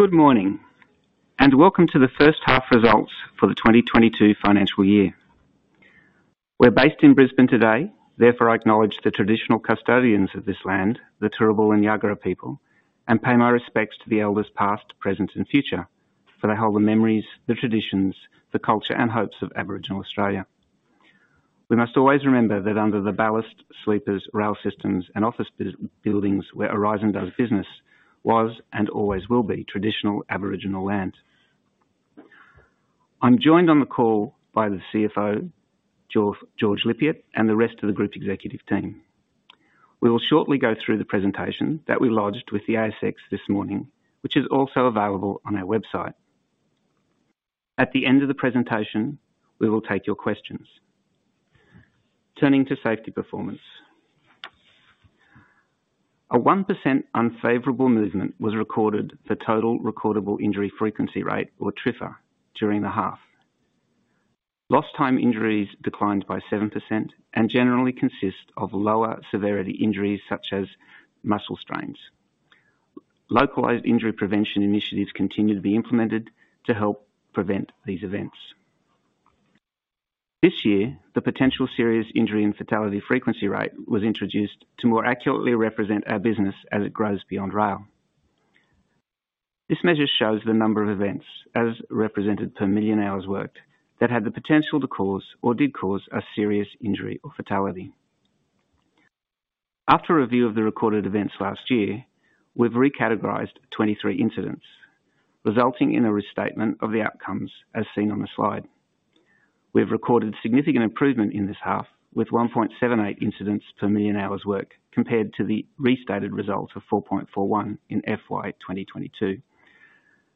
Good morning, welcome to the first half results for the 2022 financial year. We're based in Brisbane today. Therefore, I acknowledge the traditional custodians of this land, the Turrbal and Jagera people, and pay my respects to the elders past, present, and future, for they hold the memories, the traditions, the culture and hopes of Aboriginal Australia. We must always remember that under the ballast sleepers, rail systems and office buildings where Aurizon does business was and always will be traditional Aboriginal land. I'm joined on the call by the CFO, George Lippiatt and the rest of the group executive team. We will shortly go through the presentation that we lodged with the ASX this morning, which is also available on our website. At the end of the presentation, we will take your questions. Turning to safety performance. A 1% unfavorable movement was recorded for total recordable injury frequency rate, or TRIFR, during the half. Lost time injuries declined by 7% and generally consist of lower severity injuries such as muscle strains. Localized injury prevention initiatives continue to be implemented to help prevent these events. This year, the potential serious injury and fatality frequency rate was introduced to more accurately represent our business as it grows beyond rail. This measure shows the number of events as represented per million hours worked that had the potential to cause or did cause a serious injury or fatality. After review of the recorded events last year, we've re-categorized 23 incidents, resulting in a restatement of the outcomes as seen on the slide. We've recorded significant improvement in this half with 1.78 incidents per million hours worked, compared to the restated results of 4.41 in FY 2022.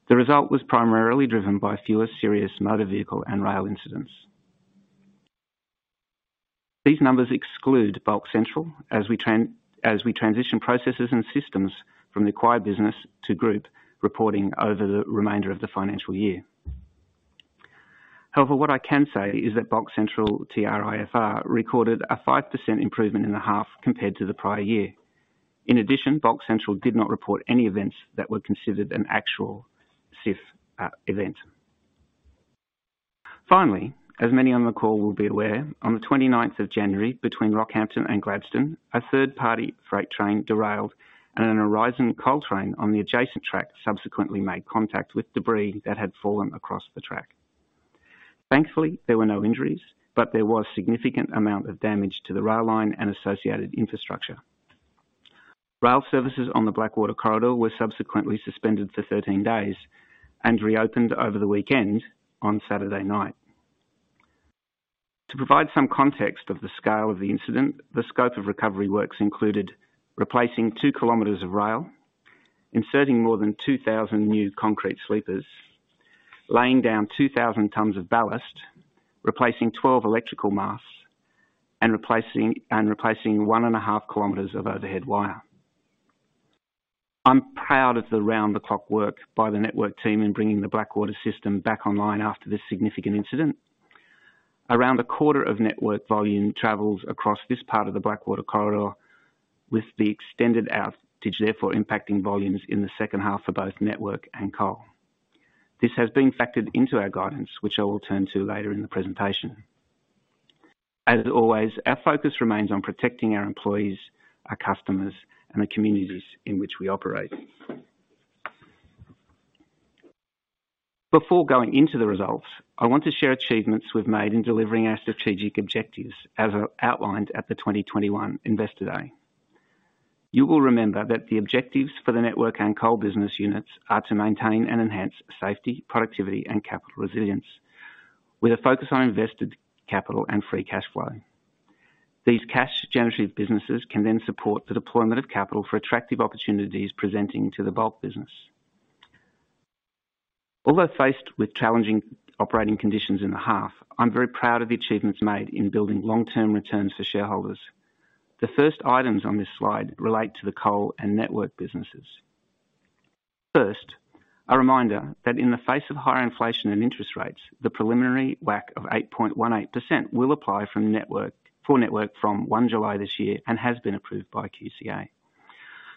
The result was primarily driven by fewer serious motor vehicle and rail incidents. These numbers exclude Bulk Central as we transition processes and systems from the acquired business to group reporting over the remainder of the financial year. What I can say is that Bulk Central TRIFR recorded a 5% improvement in the half compared to the prior year. In addition, Bulk Central did not report any events that were considered an actual SIF event. As many on the call will be aware, on the 29th of January between Rockhampton and Gladstone, a third-party freight train derailed and an Aurizon Coal train on the adjacent track subsequently made contact with debris that had fallen across the track. Thankfully, there were no injuries, there was significant amount of damage to the rail line and associated infrastructure. Rail services on the Blackwater corridor were subsequently suspended for 13 days and reopened over the weekend on Saturday night. To provide some context of the scale of the incident, the scope of recovery works included replacing 2 km of rail, inserting more than 2,000 new concrete sleepers, laying down 2,000 tons of ballast, replacing 12 electrical masts, and replacing one and a half kilometers of overhead wire. I'm proud of the round-the-clock work by the Network team in bringing the Blackwater system back online after this significant incident. Around a quarter of Network volume travels across this part of the Blackwater corridor, with the extended outage therefore impacting volumes in the second half for both Network and Coal. This has been factored into our guidance, which I will turn to later in the presentation. As always, our focus remains on protecting our employees, our customers, and the communities in which we operate. Before going into the results, I want to share achievements we've made in delivering our strategic objectives as outlined at the 2021 Investor Day. You will remember that the objectives for the Network and Coal business units are to maintain and enhance safety, productivity and capital resilience, with a focus on invested capital and free cash flow. These cash generative businesses can then support the deployment of capital for attractive opportunities presenting to the Bulk business. Faced with challenging operating conditions in the half, I'm very proud of the achievements made in building long-term returns for shareholders. The first items on this slide relate to the Coal and Network businesses. First, a reminder that in the face of higher inflation and interest rates, the preliminary WACC of 8.18% will apply from Network, for Network from 1 July this year and has been approved by QCA.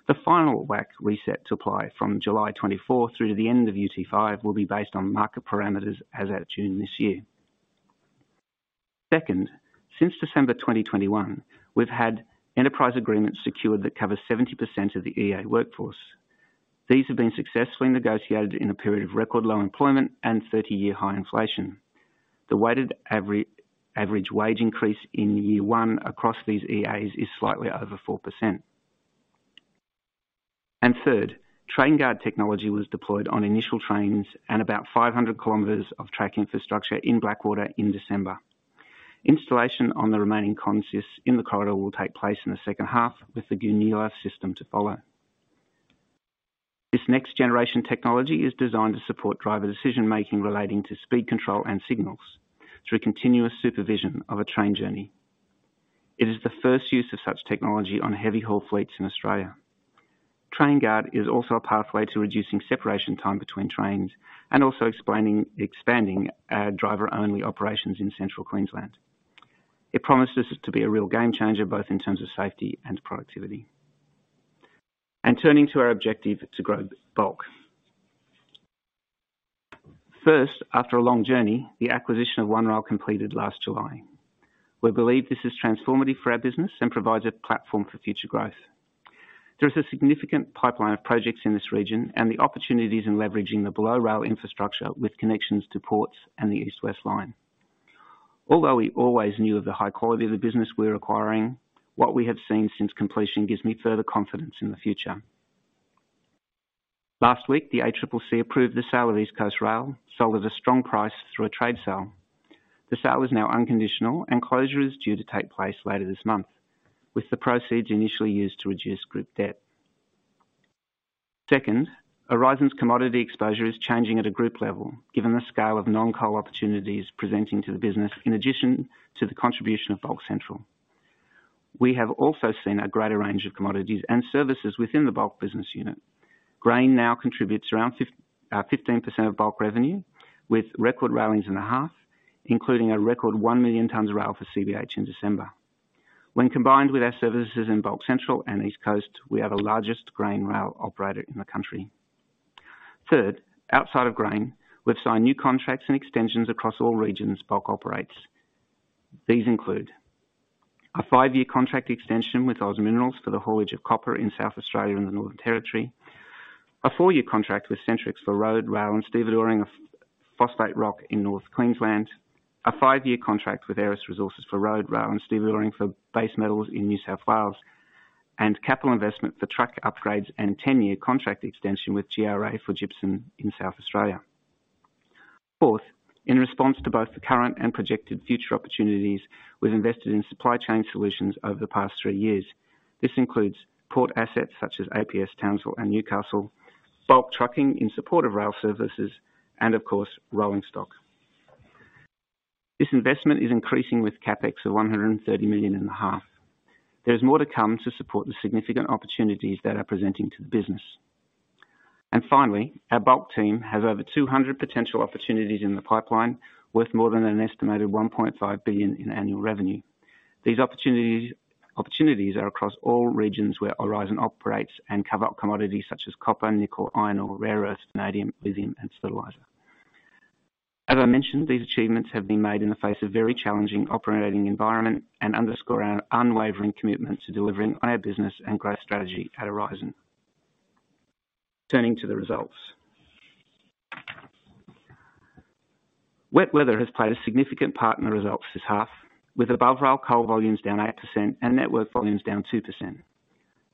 The final WACC reset to apply from July 24th through to the end of UT5 will be based on market parameters as at June this year. Second, since December 2021, we've had enterprise agreements secured that cover 70% of the EA workforce. These have been successfully negotiated in a period of record low employment and 30-year high inflation. The weighted average wage increase in year one across these EAs is slightly over 4%. Third, TrainGuard technology was deployed on initial trains and about 500 km of track infrastructure in Blackwater in December. Installation on the remaining consists in the corridor will take place in the second half, with the Goonyella system to follow. This next-generation technology is designed to support driver decision-making relating to speed control and signals through continuous supervision of a train journey. It is the first use of such technology on heavy haul fleets in Australia. TrainGuard is also a pathway to reducing separation time between trains and also expanding our driver-only operations in Central Queensland. It promises to be a real game changer, both in terms of safety and productivity. Turning to our objective to grow Bulk. First, after a long journey, the acquisition of One Rail completed last July. We believe this is transformative for our business and provides a platform for future growth. There is a significant pipeline of projects in this region and the opportunities in leveraging the below rail infrastructure with connections to ports and the East-West line. Although we always knew of the high quality of the business we were acquiring, what we have seen since completion gives me further confidence in the future. Last week, the ACCC approved the sale of East Coast Rail, sold at a strong price through a trade sale. The sale is now unconditional and closure is due to take place later this month, with the proceeds initially used to reduce group debt. Second, Aurizon's commodity exposure is changing at a group level, given the scale of non-Coal opportunities presenting to the business. In addition to the contribution of Bulk Central, we have also seen a greater range of commodities and services within the Bulk business unit. Grain now contributes around 15% of Bulk revenue, with record railings in the half, including a record one million tons of rail for CBH in December. When combined with our services in Bulk Central and East Coast, we are the largest grain rail operator in the country. Third, outside of grain, we've signed new contracts and extensions across all regions Bulk operates. These include a five-year contract extension with OZ Minerals for the haulage of copper in South Australia and the Northern Territory. A four-year contract with Centrex for road, rail and stevedoring of phosphate rock in North Queensland. A five-year contract with Aeris Resources for road, rail, and stevedoring for base metals in New South Wales. Capital investment for truck upgrades and 10-year contract extension with GRA for gypsum in South Australia. Fourth, in response to both the current and projected future opportunities, we've invested in supply chain solutions over the past three years. This includes port assets such as APS Townsville and Newcastle, Bulk trucking in support of rail services and of course, rolling stock. This investment is increasing with CapEx of 130 million in the half. There is more to come to support the significant opportunities that are presenting to the business. Finally, our Bulk team has over 200 potential opportunities in the pipeline, worth more than an estimated 1.5 billion in annual revenue. These opportunities are across all regions where Aurizon operates and cover up commodities such as copper, nickel, iron ore, rare earths, vanadium, lithium and fertilizer. As I mentioned, these achievements have been made in the face of very challenging operating environment and underscore our unwavering commitment to delivering on our business and growth strategy at Aurizon. Turning to the results. Wet weather has played a significant part in the results this half, with above-rail Coal volumes down 8% and Network volumes down 2%.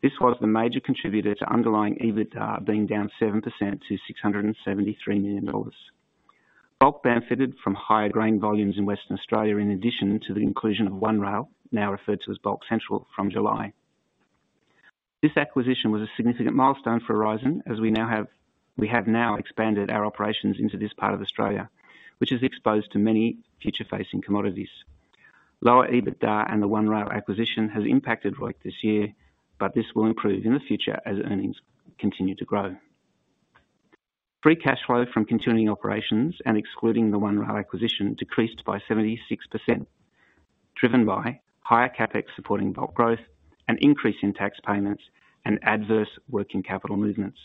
This was the major contributor to underlying EBITDA being down 7% to 673 million dollars. Bulk benefited from higher grain volumes in Western Australia in addition to the inclusion of One Rail, now referred to as Bulk Central, from July. This acquisition was a significant milestone for Aurizon as we have now expanded our operations into this part of Australia, which is exposed to many future facing commodities. Lower EBITDA and the One Rail acquisition has impacted ROIC this year. This will improve in the future as earnings continue to grow. Free cash flow from continuing operations and excluding the One Rail acquisition decreased by 76%, driven by higher CapEx supporting Bulk growth and increase in tax payments and adverse working capital movements.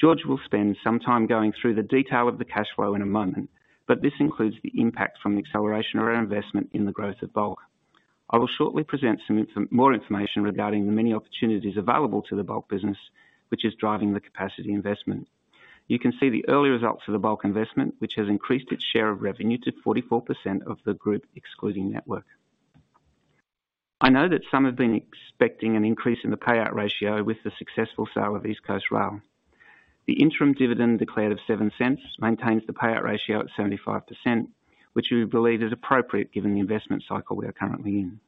George will spend some time going through the detail of the cash flow in a moment. This includes the impact from the acceleration of our investment in the growth of Bulk. I will shortly present more information regarding the many opportunities available to the Bulk business which is driving the capacity investment. You can see the early results of the Bulk investment, which has increased its share of revenue to 44% of the group, excluding Network. I know that some have been expecting an increase in the payout ratio with the successful sale of East Coast Rail. The interim dividend declared of 0.07 maintains the payout ratio at 75%, which we believe is appropriate given the investment cycle we are currently in.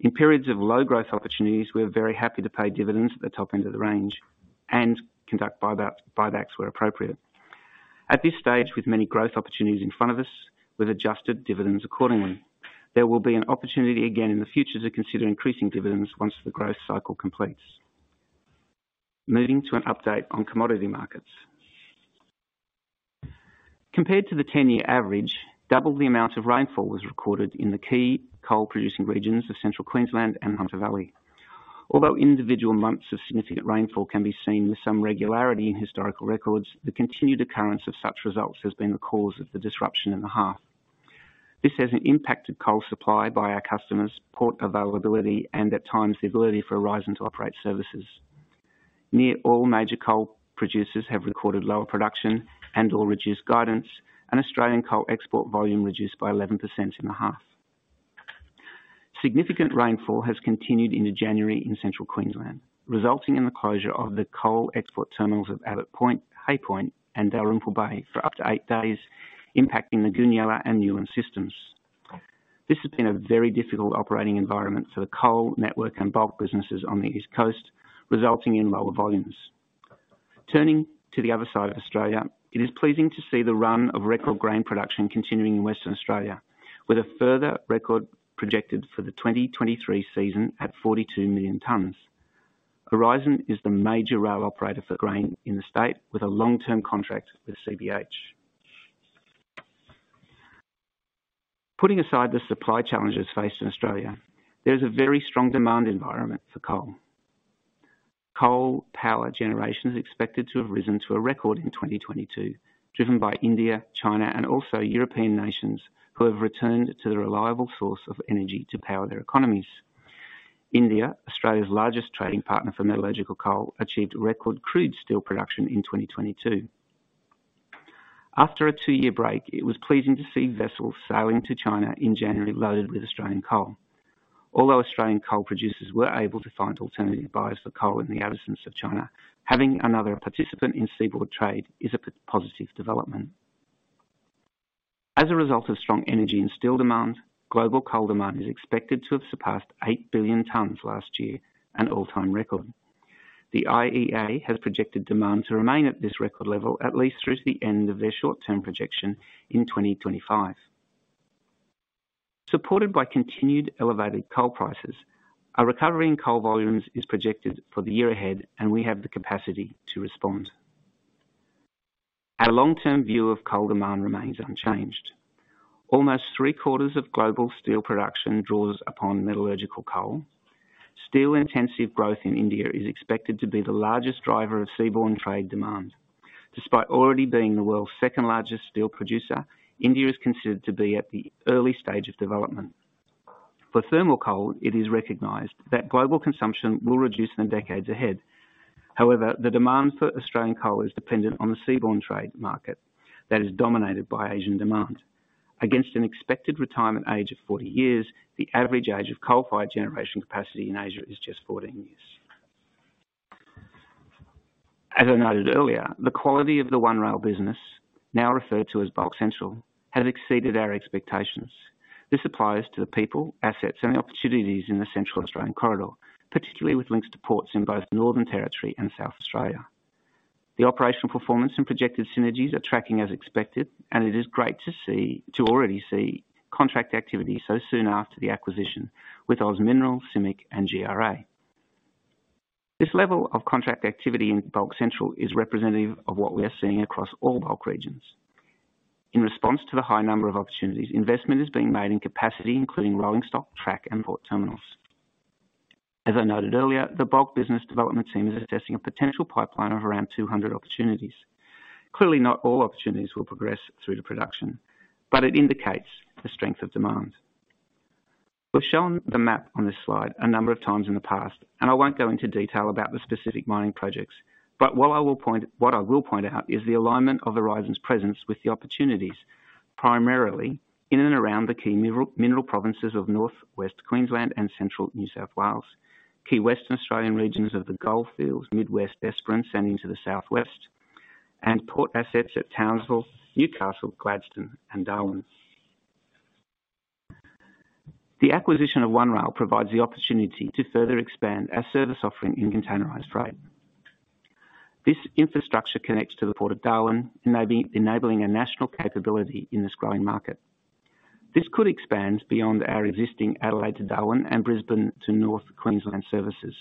In periods of low growth opportunities, we are very happy to pay dividends at the top end of the range and conduct buybacks where appropriate. At this stage, with many growth opportunities in front of us, we've adjusted dividends accordingly. There will be an opportunity again in the future to consider increasing dividends once the growth cycle completes. Moving to an update on commodity markets. Compared to the 10-year average, double the amount of rainfall was recorded in the key Coal producing regions of Central Queensland and Hunter Valley. Although individual months of significant rainfall can be seen with some regularity in historical records, the continued occurrence of such results has been the cause of the disruption in the half. This hasn't impacted Coal supply by our customers port availability and at times the ability for Aurizon to operate services. Near all major Coal producers have recorded lower production and/or reduced guidance and Australian Coal export volume reduced by 11% in the half. Significant rainfall has continued into January in Central Queensland, resulting in the closure of the Coal export terminals of Abbot Point, Hay Point and Dalrymple Bay for up to eight days, impacting the Goonyella and Newlands systems. This has been a very difficult operating environment for the Coal Network and Bulk businesses on the East Coast, resulting in lower volumes. Turning to the other side of Australia, it is pleasing to see the run of record grain production continuing in Western Australia, with a further record projected for the 2023 season at 42 million tons. Aurizon is the major rail operator for grain in the state with a long-term contract with CBH. Putting aside the supply challenges faced in Australia, there's a very strong demand environment for Coal. Coal power generation is expected to have risen to a record in 2022, driven by India, China and also European nations who have returned to the reliable source of energy to power their economies. India, Australia's largest trading partner for metallurgical Coal, achieved record crude steel production in 2022. After a two-year break, it was pleasing to see vessels sailing to China in January, loaded with Australian Coal. Although Australian Coal producers were able to find alternative buyers for Coal in the absence of China, having another participant in seaborne trade is a positive development. As a result of strong energy and steel demand, global Coal demand is expected to have surpassed eight billion tons last year, an all-time record. The IEA has projected demand to remain at this record level at least through the end of their short-term projection in 2025. Supported by continued elevated Coal prices, our recovery in Coal volumes is projected for the year ahead and we have the capacity to respond. Our long-term view of Coal demand remains unchanged. Almost three-quarters of global steel production draws upon metallurgical Coal. Steel-intensive growth in India is expected to be the largest driver of seaborne trade demand. Despite already being the world's second-largest steel producer, India is considered to be at the early stage of development. For thermal Coal, it is recognized that global consumption will reduce in the decades ahead. However, the demand for Australian Coal is dependent on the seaborne trade market that is dominated by Asian demand. Against an expected retirement age of 40 years, the average age of Coal-fired generation capacity in Asia is just 14 years. As I noted earlier, the quality of the One Rail business, now referred to as Bulk Central, has exceeded our expectations. This applies to the people, assets, and opportunities in the Central Australian corridor, particularly with links to ports in both Northern Territory and South Australia. The operational performance and projected synergies are tracking as expected, and it is great to already see contract activity so soon after the acquisition with OZ Minerals, CMIC and GRA. This level of contract activity in Bulk Central is representative of what we are seeing across all Bulk regions. In response to the high number of opportunities, investment is being made in capacity, including rolling stock, track and port terminals. As I noted earlier, the Bulk business development team is assessing a potential pipeline of around 200 opportunities. Clearly, not all opportunities will progress through to production, but it indicates the strength of demand. We've shown the map on this slide a number of times in the past. I won't go into detail about the specific mining projects. What I will point out is the alignment of Aurizon's presence with the opportunities, primarily in and around the key miner-mineral provinces of North West Queensland and Central New South Wales. Key Western Australian regions of the Goldfields, Mid West, Esperance and into the Southwest and port assets at Townsville, Newcastle, Gladstone and Darwin. The acquisition of One Rail provides the opportunity to further expand our service offering in containerized freight. This infrastructure connects to the Port of Darwin, enabling a national capability in this growing market. This could expand beyond our existing Adelaide to Darwin and Brisbane to North Queensland services.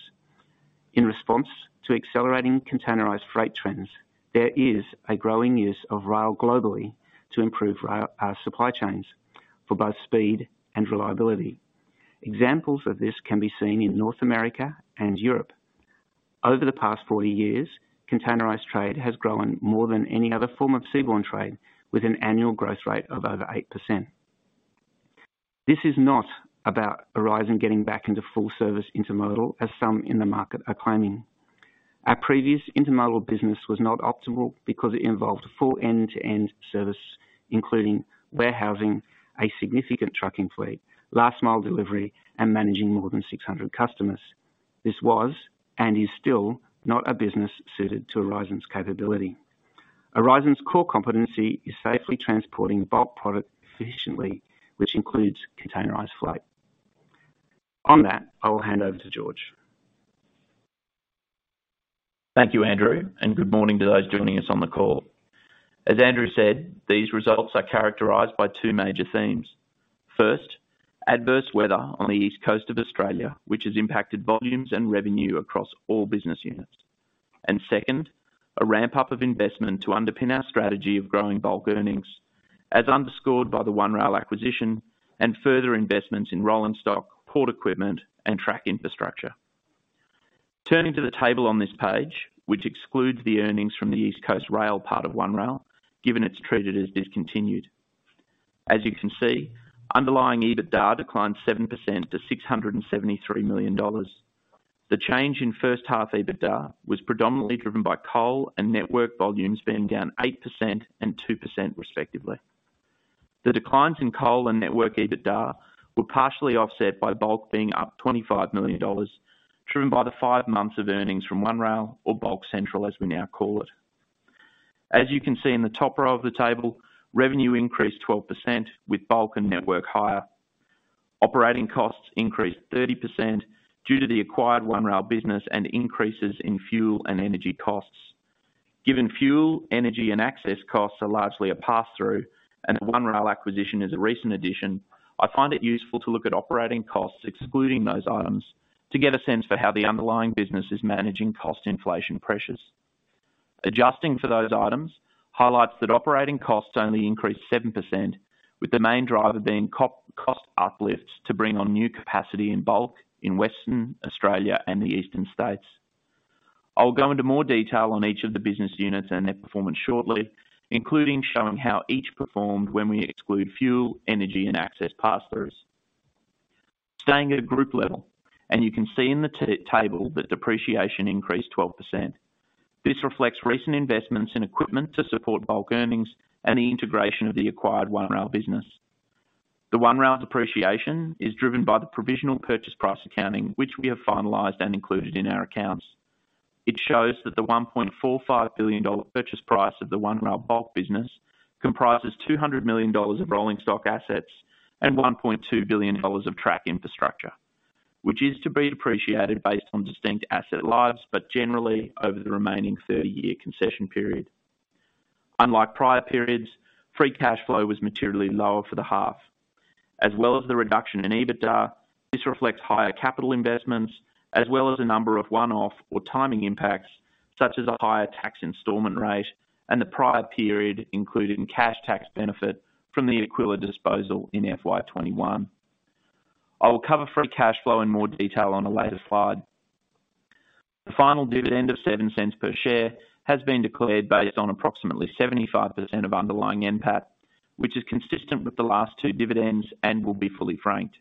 In response to accelerating containerized freight trends, there is a growing use of rail globally to improve our supply chains for both speed and reliability. Examples of this can be seen in North America and Europe. Over the past 40 years, containerized trade has grown more than any other form of seaborne trade, with an annual growth rate of over 8%. This is not about Aurizon getting back into full service intermodal as some in the market are claiming. Our previous intermodal business was not optimal because it involved a full end-to-end service, including warehousing, a significant trucking fleet, last mile delivery, and managing more than 600 customers. This was, and is still, not a business suited to Aurizon's capability. Aurizon's core competency is safely transporting Bulk product efficiently, which includes containerized freight. On that, I will hand over to George. Thank you, Andrew. Good morning to those joining us on the call. As Andrew said, these results are characterized by two major themes. First, adverse weather on the East Coast of Australia, which has impacted volumes and revenue across all business units. Second, a ramp up of investment to underpin our strategy of growing Bulk earnings, as underscored by the One Rail acquisition and further investments in rolling stock, port equipment, and track infrastructure. Turning to the table on this page, which excludes the earnings from the East Coast Rail part of One Rail, given it's treated as discontinued. As you can see, underlying EBITDA declined 7% to 673 million dollars. The change in first half EBITDA was predominantly driven by Coal and Network volumes being down 8% and 2% respectively. The declines in Coal and Network EBITDA were partially offset by Bulk being up 25 million dollars, driven by the five months of earnings from One Rail or Bulk Central as we now call it. As you can see in the top row of the table, revenue increased 12% with Bulk and Network higher. Operating costs increased 30% due to the acquired One Rail business and increases in fuel and energy costs. Given fuel, energy, and access costs are largely a pass-through and the One Rail acquisition is a recent addition, I find it useful to look at operating costs excluding those items to get a sense for how the underlying business is managing cost inflation pressures. Adjusting for those items highlights that operating costs only increased 7%, with the main driver being co-cost uplifts to bring on new capacity in Bulk in Western Australia and the eastern states. I'll go into more detail on each of the business units and their performance shortly, including showing how each performed when we exclude fuel, energy, and access pass-throughs. Staying at a group level, you can see in the table that depreciation increased 12%. This reflects recent investments in equipment to support Bulk earnings and the integration of the acquired One Rail business. The One Rail depreciation is driven by the provisional purchase price accounting, which we have finalized and included in our accounts. It shows that the 1.45 billion dollar purchase price of the One Rail Bulk business comprises 200 million dollars of rolling stock assets and 1.2 billion dollars of track infrastructure, which is to be depreciated based on distinct asset lives, but generally over the remaining 30-year concession period. Unlike prior periods, free cash flow was materially lower for the half. As well as the reduction in EBITDA, this reflects higher capital investments as well as a number of one-off or timing impacts, such as a higher tax installment rate and the prior period included in cash tax benefit from the Aquila disposal in FY 2021. I will cover free cash flow in more detail on a later slide. The final dividend of 0.07 per share has been declared based on approximately 75% of underlying NPAT, which is consistent with the last two dividends and will be fully franked.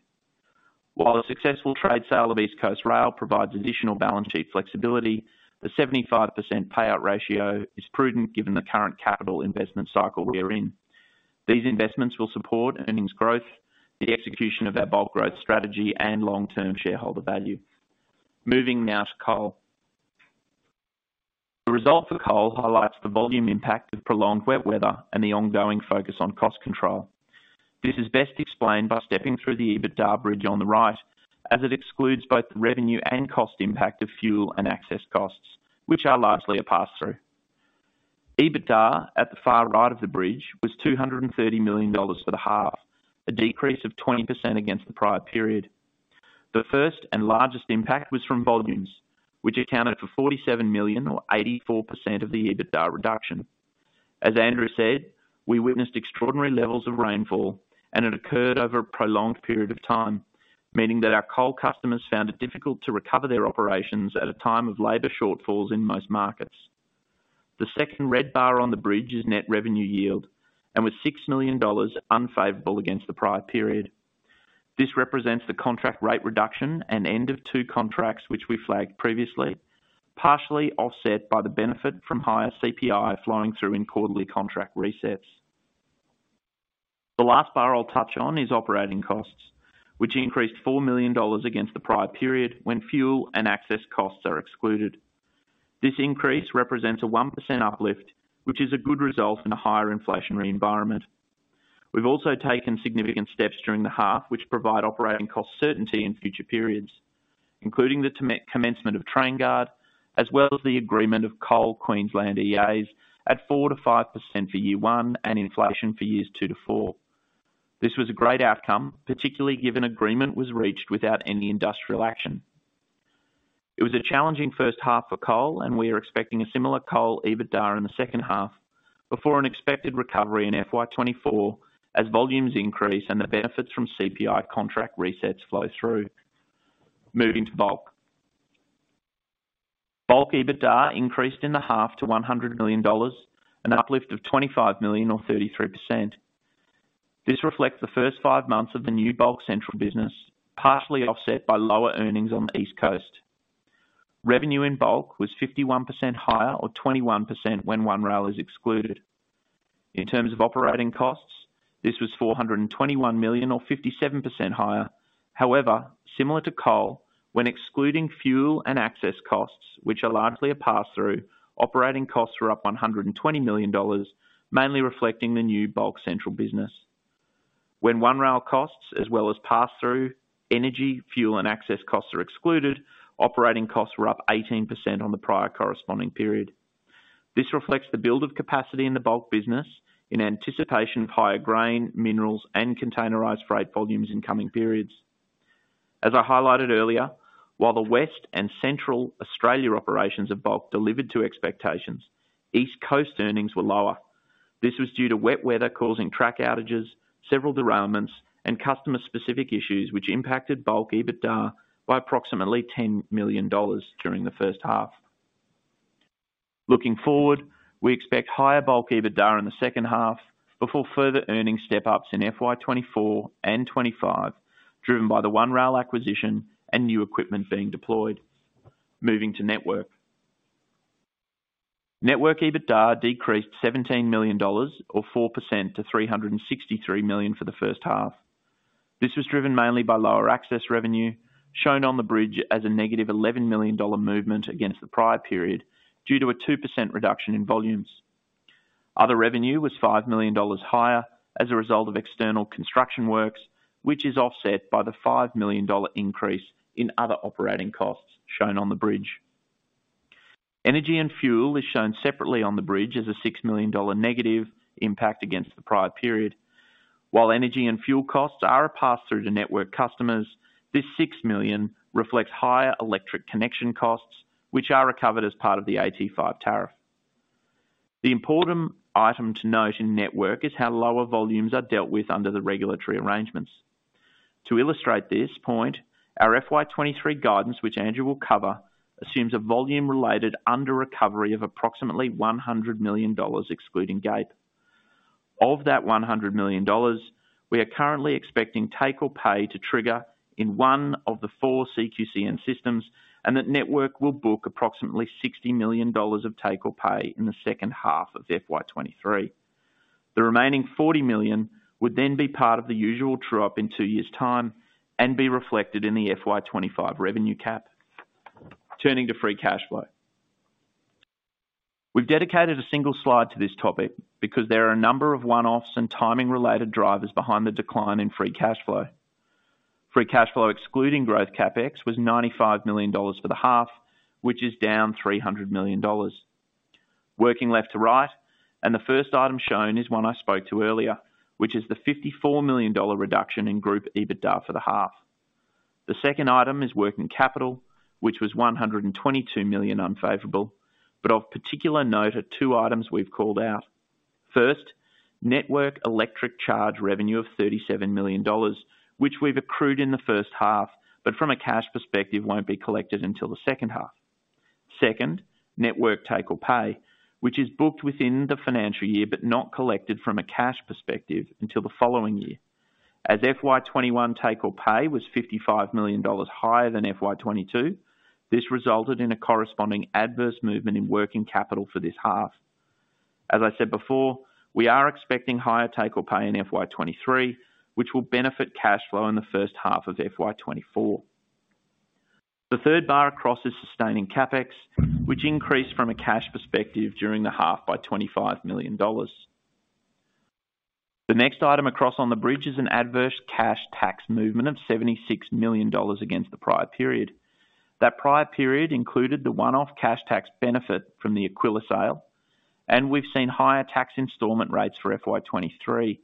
A successful trade sale of East Coast Rail provides additional balance sheet flexibility, the 75% payout ratio is prudent given the current capital investment cycle we are in. These investments will support earnings growth, the execution of our Bulk growth strategy, and long-term shareholder value. Moving now to Coal. The result for Coal highlights the volume impact of prolonged wet weather and the ongoing focus on cost control. This is best explained by stepping through the EBITDA bridge on the right, as it excludes both the revenue and cost impact of fuel and access costs, which are largely a pass-through. EBITDA at the far right of the bridge was 230 million dollars for the half, a decrease of 20% against the prior period. The first and largest impact was from volumes, which accounted for 47 million or 84% of the EBITDA reduction. As Andrew said, we witnessed extraordinary levels of rainfall, and it occurred over a prolonged period of time, meaning that our Coal customers found it difficult to recover their operations at a time of labor shortfalls in most markets. The second red bar on the bridge is net revenue yield and was 6 million dollars unfavorable against the prior period. This represents the contract rate reduction and end of two contracts, which we flagged previously, partially offset by the benefit from higher CPI flowing through in quarterly contract resets. The last bar I'll touch on is operating costs, which increased 4 million dollars against the prior period when fuel and access costs are excluded. This increase represents a 1% uplift, which is a good result in a higher inflationary environment. We've also taken significant steps during the half, which provide operating cost certainty in future periods, including the commencement of TrainGuard as well as the agreement of Coal Queensland EAs at 4%-5% for year one and inflation for years two to four. This was a great outcome, particularly given agreement was reached without any industrial action. It was a challenging first half for Coal. We are expecting a similar Coal EBITDA in the second half before an expected recovery in FY 2024 as volumes increase and the benefits from CPI contract resets flow through. Moving to Bulk. Bulk EBITDA increased in the half to 100 million dollars, an uplift of 25 million or 33%. This reflects the first five months of the new Bulk Central business, partially offset by lower earnings on the East Coast. Revenue in Bulk was 51% higher or 21% when One Rail is excluded. In terms of operating costs, this was 421 million or 57% higher. Similar to Coal, when excluding fuel and access costs, which are largely a pass-through, operating costs were up 120 million dollars, mainly reflecting the new Bulk Central business. When One Rail costs as well as pass-through energy, fuel, and access costs are excluded, operating costs were up 18% on the prior corresponding period. This reflects the build of capacity in the Bulk business in anticipation of higher grain, minerals, and containerized freight volumes in coming periods. As I highlighted earlier, while the West and Central Australia operations of Bulk delivered to expectations, East Coast earnings were lower. This was due to wet weather causing track outages, several derailments, and customer-specific issues which impacted Bulk EBITDA by approximately 10 million dollars during the first half. Looking forward, we expect higher Bulk EBITDA in the second half before further earnings step-ups in FY 2024 and 2025, driven by the One Rail acquisition and new equipment being deployed. Moving to Network. Network EBITDA decreased 17 million dollars or 4% to 363 million for the first half. This was driven mainly by lower access revenue shown on the bridge as a negative 11 million dollar movement against the prior period due to a 2% reduction in volumes. Other revenue was 5 million dollars higher as a result of external construction works, which is offset by the 5 million dollar increase in other operating costs shown on the bridge. Energy and fuel is shown separately on the bridge as an 6 million dollar negative impact against the prior period. While energy and fuel costs are a pass through to Network customers, this 6 million reflects higher electric connection costs, which are recovered as part of the EC tariff. The important item to note in Network is how lower volumes are dealt with under the regulatory arrangements. To illustrate this point, our FY 2023 guidance, which Andrew will cover, assumes a volume related under recovery of approximately 100 million dollars excluding GAAP. Of that 100 million dollars, we are currently expecting take or pay to trigger in one of the four CQCN systems, and that Network will book approximately 60 million dollars of take or pay in the second half of FY 2023. The remaining 40 million would then be part of the usual true up in two years' time and be reflected in the FY 2025 revenue cap. Turning to free cash flow. We've dedicated a single slide to this topic because there are a number of one-offs and timing related drivers behind the decline in free cash flow. Free cash flow, excluding growth CapEx was 95 million dollars for the half, which is down 300 million dollars. Working left to right, the first item shown is one I spoke to earlier, which is the 54 million dollar reduction in group EBITDA for the half. The second item is working capital, which was 122 million unfavorable. Of particular note are two items we've called out. First, Network electric charge revenue of 37 million dollars, which we've accrued in the first half, but from a cash perspective, won't be collected until the second half. Second, Network take or pay, which is booked within the financial year but not collected from a cash perspective until the following year. As FY 2021 take or pay was 55 million dollars higher than FY 2022, this resulted in a corresponding adverse movement in working capital for this half. As I said before, we are expecting higher take or pay in FY 2023, which will benefit cash flow in the first half of FY 2024. The third bar across is sustaining CapEx, which increased from a cash perspective during the half by 25 million dollars. The next item across on the bridge is an adverse cash tax movement of 76 million dollars against the prior period. That prior period included the one-off cash tax benefit from the Aquila sale, and we've seen higher tax installment rates for FY 2023.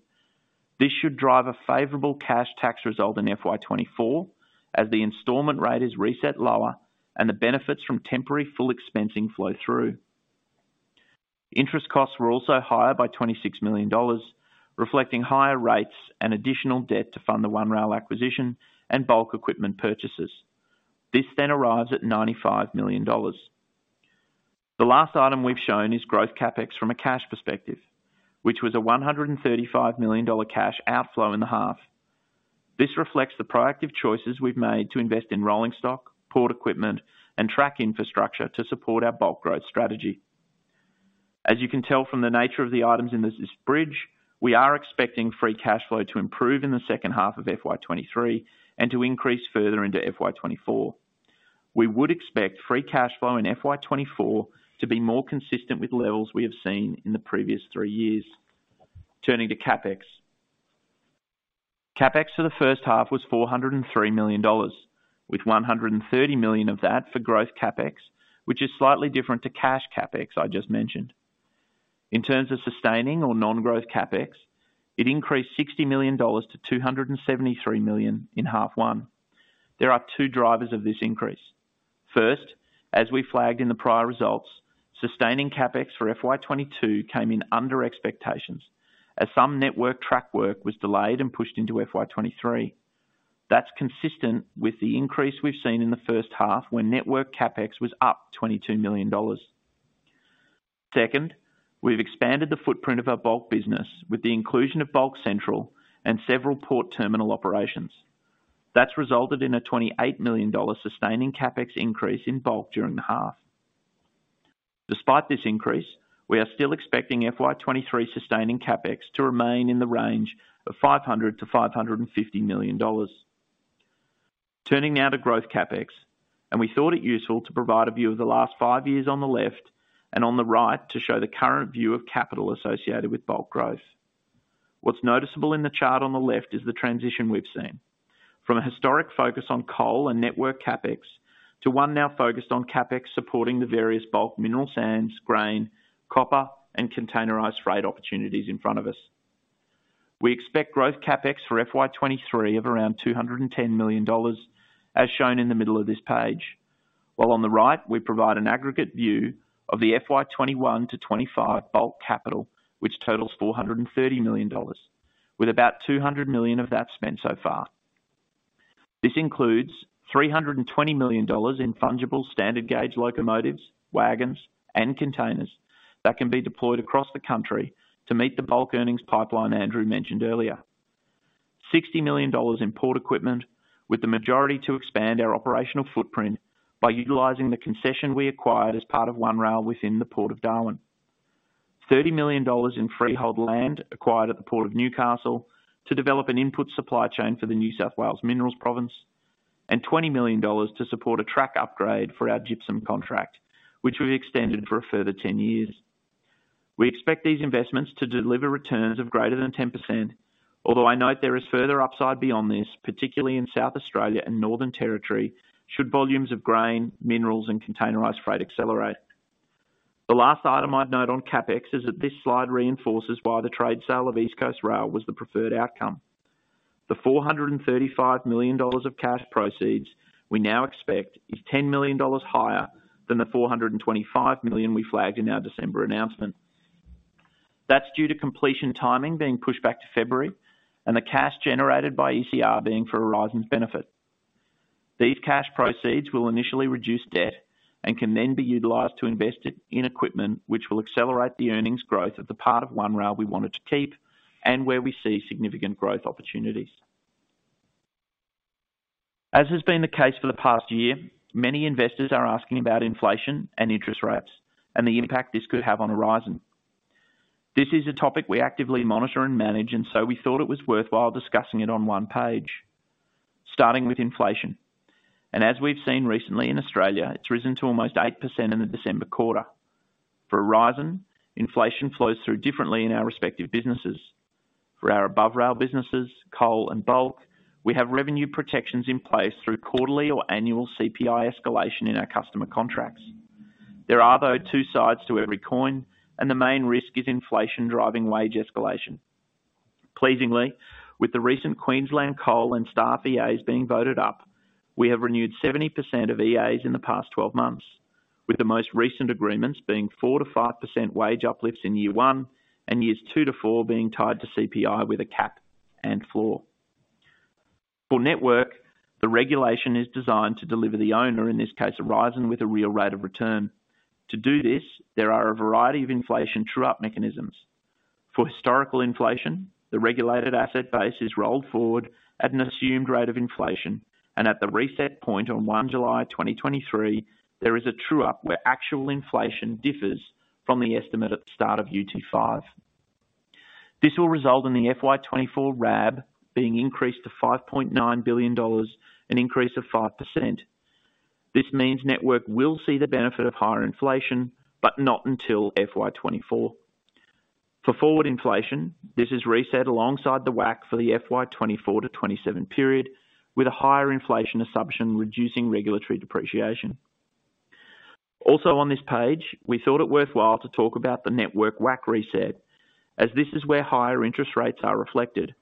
This should drive a favorable cash tax result in FY 2024 as the installment rate is reset lower and the benefits from temporary full expensing flow through. Interest costs were also higher by 26 million dollars, reflecting higher rates and additional debt to fund the One Rail acquisition and Bulk equipment purchases. This then arrives at 95 million dollars. The last item we've shown is growth CapEx from a cash perspective, which was a 135 million dollar cash outflow in the half. This reflects the proactive choices we've made to invest in rolling stock, port equipment and track infrastructure to support our Bulk growth strategy. As you can tell from the nature of the items in this bridge, we are expecting free cash flow to improve in the second half of FY 2023 and to increase further into FY 2024. We would expect free cash flow in FY 2024 to be more consistent with levels we have seen in the previous three years. Turning to CapEx. CapEx for the first half was 403 million dollars, with 130 million of that for growth CapEx, which is slightly different to cash CapEx I just mentioned. In terms of sustaining or non-growth CapEx, it increased 60 million dollars to 273 million in H1. There are two drivers of this increase. First, as we flagged in the prior results, sustaining CapEx for FY 2022 came in under expectations as some Network track work was delayed and pushed into FY 2023. That's consistent with the increase we've seen in the first half when Network CapEx was up 22 million dollars. Second, we've expanded the footprint of our Bulk business with the inclusion of Bulk Central and several port terminal operations. That's resulted in an 28 million dollar sustaining CapEx increase in Bulk during the half. Despite this increase, we are still expecting FY 2023 sustaining CapEx to remain in the range of 500 million-550 million dollars. Turning now to growth CapEx, and we thought it useful to provide a view of the last five years on the left and on the right to show the current view of capital associated with Bulk growth. What's noticeable in the chart on the left is the transition we've seen from a historic focus on Coal and Network CapEx to one now focused on CapEx, supporting the various Bulk mineral sands, grain, copper and containerized freight opportunities in front of us. We expect growth CapEx for FY 2023 of around 210 million dollars as shown in the middle of this page. While on the right, we provide an aggregate view of the FY 2021-2025 Bulk capital, which totals 430 million dollars with about 200 million of that spent so far. This includes 320 million dollars in fungible standard gauge locomotives, wagons and containers that can be deployed across the country to meet the Bulk earnings pipeline Andrew mentioned earlier. 60 million dollars in port equipment with the majority to expand our operational footprint by utilizing the concession we acquired as part of One Rail within the Port of Darwin. 30 million dollars in freehold land acquired at the Port of Newcastle to develop an input supply chain for the New South Wales Minerals Province. 20 million dollars to support a track upgrade for our gypsum contract, which we've extended for a further 10 years. We expect these investments to deliver returns of greater than 10%, although I note there is further upside beyond this, particularly in South Australia and Northern Territory, should volumes of grain, minerals and containerized freight accelerate. The last item I'd note on CapEx is that this slide reinforces why the trade sale of East Coast Rail was the preferred outcome. The 435 million dollars of cash proceeds we now expect is 10 million dollars higher than the 425 million we flagged in our December announcement. That's due to completion timing being pushed back to February and the cash generated by ECR being for Aurizon's benefit. These cash proceeds will initially reduce debt and can then be utilized to invest it in equipment which will accelerate the earnings growth of the part of One Rail we wanted to keep and where we see significant growth opportunities. As has been the case for the past year, many investors are asking about inflation and interest rates and the impact this could have on Aurizon. This is a topic we actively monitor and manage and so we thought it was worthwhile discussing it on one page. Starting with inflation, as we've seen recently in Australia, it's risen to almost 8% in the December quarter. For Aurizon, inflation flows through differently in our respective businesses. For our above-rail businesses, Coal and Bulk, we have revenue protections in place through quarterly or annual CPI escalation in our customer contracts. There are, though, two sides to every coin, and the main risk is inflation driving wage escalation. Pleasingly, with the recent Queensland Coal and staff EAs being voted up, we have renewed 70% of EAs in the past 12 months, with the most recent agreements being 4%-5% wage uplifts in year one and years two to four being tied to CPI with a cap and floor. For Network, the regulation is designed to deliver the owner, in this case Aurizon, with a real rate of return. To do this, there are a variety of inflation true-up mechanisms. For historical inflation, the regulated asset base is rolled forward at an assumed rate of inflation. At the reset point on July 1, 2023, there is a true-up where actual inflation differs from the estimate at the start of UT5. This will result in the FY 2024 RAB being increased to 5.9 billion dollars, an increase of 5%. This means Network will see the benefit of higher inflation, not until FY 2024. For forward inflation, this is reset alongside the WACC for the FY 2024-2027 period with a higher inflation assumption reducing regulatory depreciation. Also on this page, we thought it worthwhile to talk about the Network WACC reset as this is where higher interest rates are reflected.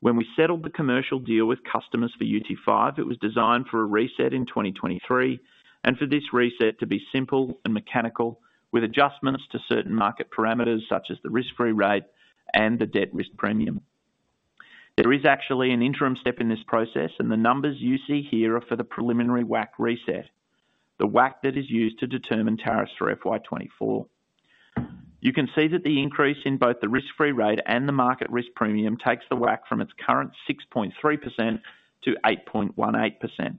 When we settled the commercial deal with customers for UT5, it was designed for a reset in 2023 and for this reset to be simple and mechanical with adjustments to certain market parameters such as the risk-free rate and the debt risk premium. There is actually an interim step in this process, and the numbers you see here are for the preliminary WACC reset, the WACC that is used to determine tariffs for FY 2024. You can see that the increase in both the risk-free rate and the market risk premium takes the WACC from its current 6.3% to 8.18%.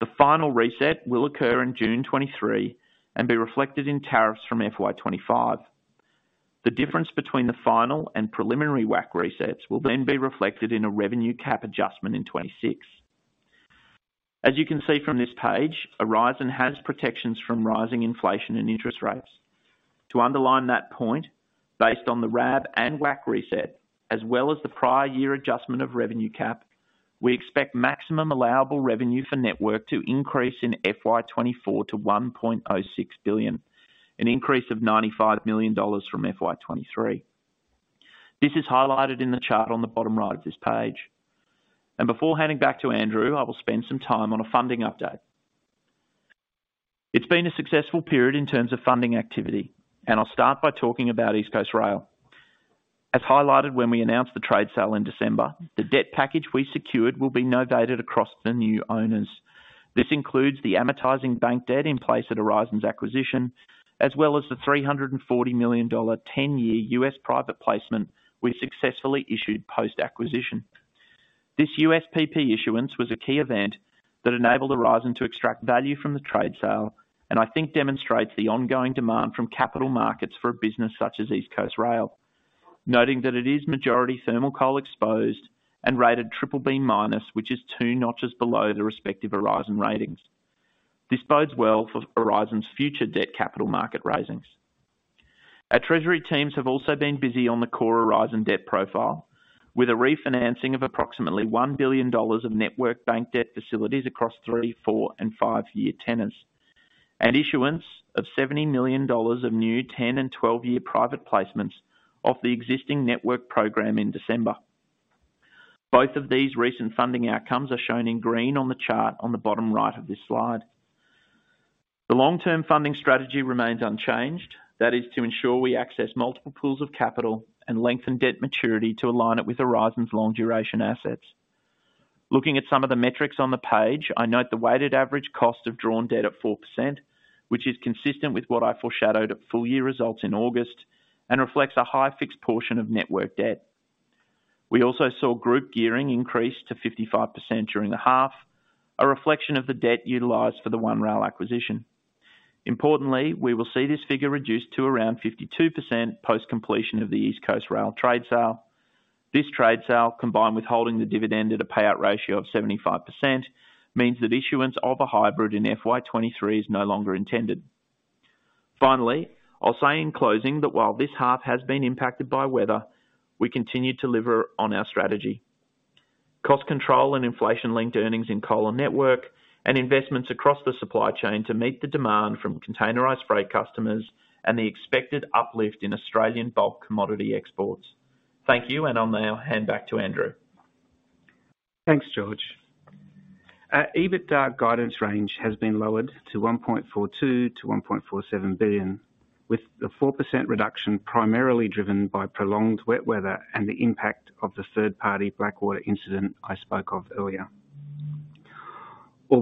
The final reset will occur in June 2023 and be reflected in tariffs from FY 2025. The difference between the final and preliminary WACC resets will then be reflected in a revenue cap adjustment in 2026. As you can see from this page, Aurizon has protections from rising inflation and interest rates. To underline that point, based on the RAB and WACC reset as well as the prior year adjustment of revenue cap, we expect maximum allowable revenue for Network to increase in FY 2024 to 1.06 billion, an increase of 95 million dollars from FY 2023. This is highlighted in the chart on the bottom right of this page. Before handing back to Andrew, I will spend some time on a funding update. It's been a successful period in terms of funding activity, and I'll start by talking about East Coast Rail. As highlighted when we announced the trade sale in December, the debt package we secured will be novated across the new owners. This includes the amortizing bank debt in place at Aurizon's acquisition as well as the 340 million dollar 10-year U.S. private placement we successfully issued post-acquisition. This USPP issuance was a key event that enabled Aurizon to extract value from the trade sale and I think demonstrates the ongoing demand from capital markets for a business such as East Coast Rail, noting that it is majority thermal Coal exposed and rated BBB-, which is two notches below the respective Aurizon ratings. This bodes well for Aurizon's future debt capital market raisings. Our treasury teams have also been busy on the core Aurizon debt profile with a refinancing of approximately 1 billion dollars of Network bank debt facilities across three, four and five-year tenors and issuance of 70 million dollars of new 10 and 12-year private placements of the existing Network program in December. Both of these recent funding outcomes are shown in green on the chart on the bottom right of this slide. The long term funding strategy remains unchanged. That is to ensure we access multiple pools of capital and lengthen debt maturity to align it with Aurizon's long duration assets. Looking at some of the metrics on the page, I note the weighted average cost of drawn debt at 4%, which is consistent with what I foreshadowed at full-year results in August and reflects a high fixed portion of Network debt. We also saw group gearing increase to 55% during the half, a reflection of the debt utilized for the One Rail acquisition. Importantly, we will see this figure reduced to around 52% post-completion of the East Coast Rail trade sale. This trade sale, combined with holding the dividend at a payout ratio of 75%, means that issuance of a hybrid in FY 2023 is no longer intended. Finally, I'll say in closing that while this half has been impacted by weather, we continue to deliver on our strategy. Cost control and inflation-linked earnings in Coal and Network and investments across the supply chain to meet the demand from containerized freight customers and the expected uplift in Australian Bulk commodity exports. Thank you, and I'll now hand back to Andrew. Thanks, George. Our EBITDA guidance range has been lowered to 1.42 billion-1.47 billion, with the 4% reduction primarily driven by prolonged wet weather and the impact of the third-party Blackwater incident I spoke of earlier.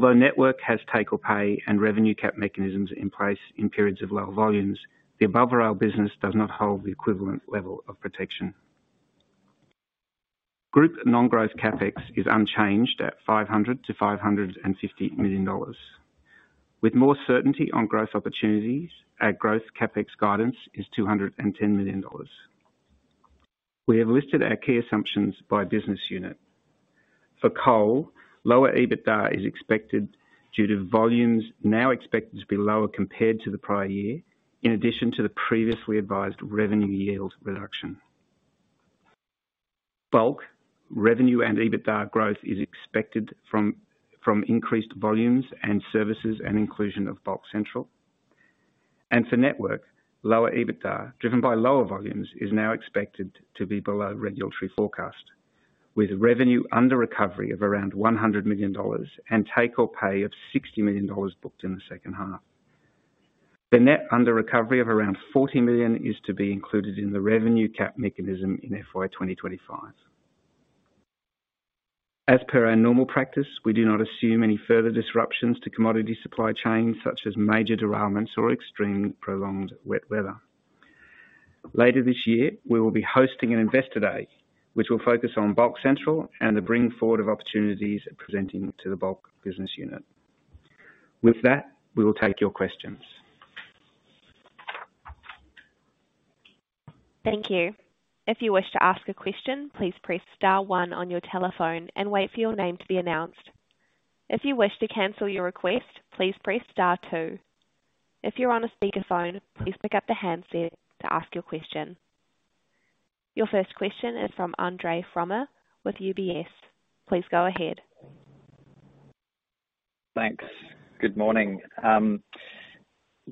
Network has take-or-pay and revenue cap mechanisms in place in periods of low volumes, the above-rail business does not hold the equivalent level of protection. Group non-growth CapEx is unchanged at 500 million-550 million dollars. With more certainty on growth opportunities, our growth CapEx guidance is 210 million dollars. We have listed our key assumptions by business unit. For Coal, lower EBITDA is expected due to volumes now expected to be lower compared to the prior year, in addition to the previously advised revenue yield reduction. Bulk, revenue and EBITDA growth is expected from increased volumes and services and inclusion of Bulk Central. For Network, lower EBITDA driven by lower volumes is now expected to be below regulatory forecast, with revenue under recovery of around 100 million dollars and take-or-pay of 60 million dollars booked in the second half. The net under recovery of around 40 million is to be included in the revenue cap mechanism in FY 2025. As per our normal practice, we do not assume any further disruptions to commodity supply chains such as major derailments or extreme prolonged wet weather. Later this year, we will be hosting an Investor Day, which will focus on Bulk Central and the bring forward of opportunities presenting to the Bulk business unit. With that, we will take your questions. Thank you. If you wish to ask a question, please press star one on your telephone and wait for your name to be announced. If you wish to cancel your request, please press star two. If you're on a speakerphone, please pick up the handset to ask your question. Your first question is from Andre Fromyhr with UBS. Please go ahead. Thanks. Good morning.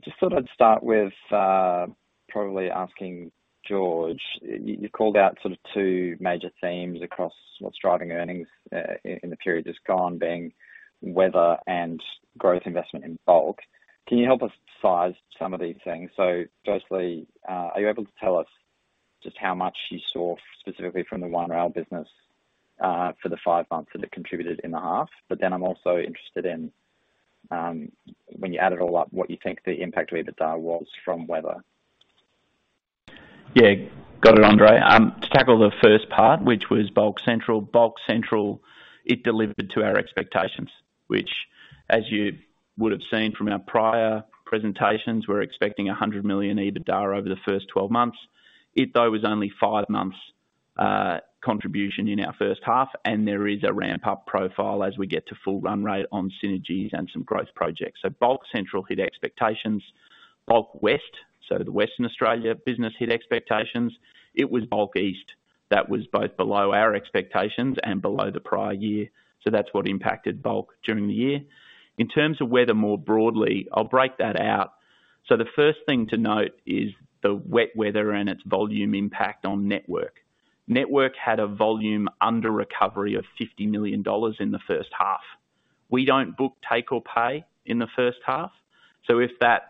Just thought I'd start with, probably asking George, you called out sort of two major themes across what's driving earnings, in the period just gone being weather and growth investment in Bulk. Can you help us size some of these things? Firstly, are you able to tell us just how much you saw specifically from the One Rail business, for the five months that it contributed in the half? I'm also interested in, when you add it all up, what you think the impact to EBITDA was from weather. Got it, Andre. To tackle the first part, which was Bulk Central. Bulk Central, it delivered to our expectations, which, as you would've seen from our prior presentations, we're expecting 100 million EBITDA over the first 12 months. It though was only 5 months contribution in our first half, and there is a ramp-up profile as we get to full run rate on synergies and some growth projects. Bulk Central hit expectations. Bulk West, the Western Australia business hit expectations. It was Bulk East that was both below our expectations and below the prior year. That's what impacted Bulk during the year. In terms of weather more broadly, I'll break that out. The first thing to note is the wet weather and its volume impact on Network. Network had a volume under recovery of 50 million dollars in the first half. We don't book take or pay in the first half. If that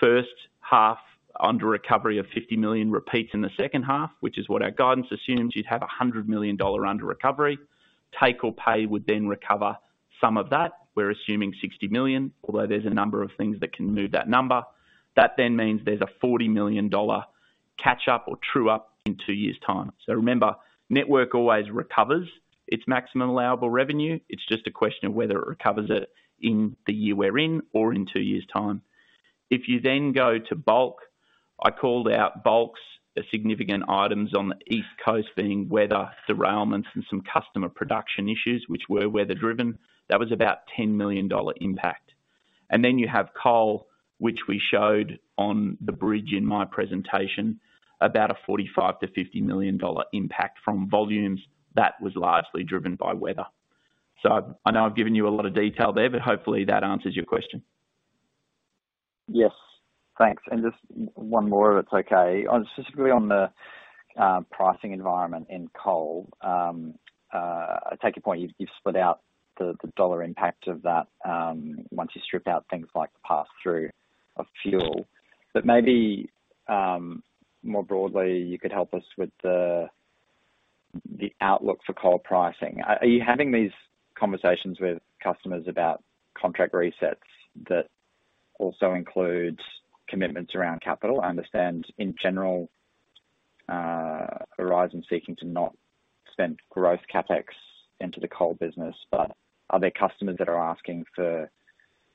first half under recovery of 50 million repeats in the second half, which is what our guidance assumes, you'd have a 100 million dollar under recovery. Take or pay would then recover some of that. We're assuming 60 million, although there's a number of things that can move that number. That then means there's a 40 million dollar catch up or true up in two years' time. Remember, Network always recovers its maximum allowable revenue. It's just a question of whether it recovers it in the year we're in or in two years' time. If you then go to Bulk, I called out Bulk's significant items on the East Coast being weather, derailments and some customer production issues which were weather driven. That was about 10 million dollar impact. You have Coal, which we showed on the bridge in my presentation, about a 45 million-50 million dollar impact from volumes that was largely driven by weather. I know I've given you a lot of detail there, but hopefully that answers your question. Yes. Thanks. Just one more if that's okay. specifically on the pricing environment in Coal. I take your point. You've split out the dollar impact of that, once you strip out things like pass-through of fuel. Maybe more broadly, you could help us with the outlook for Coal pricing. Are you having these conversations with customers about contract resets that also includes commitments around capital? I understand in general Aurizon seeking to not spend growth CapEx into the Coal business, but are there customers that are asking for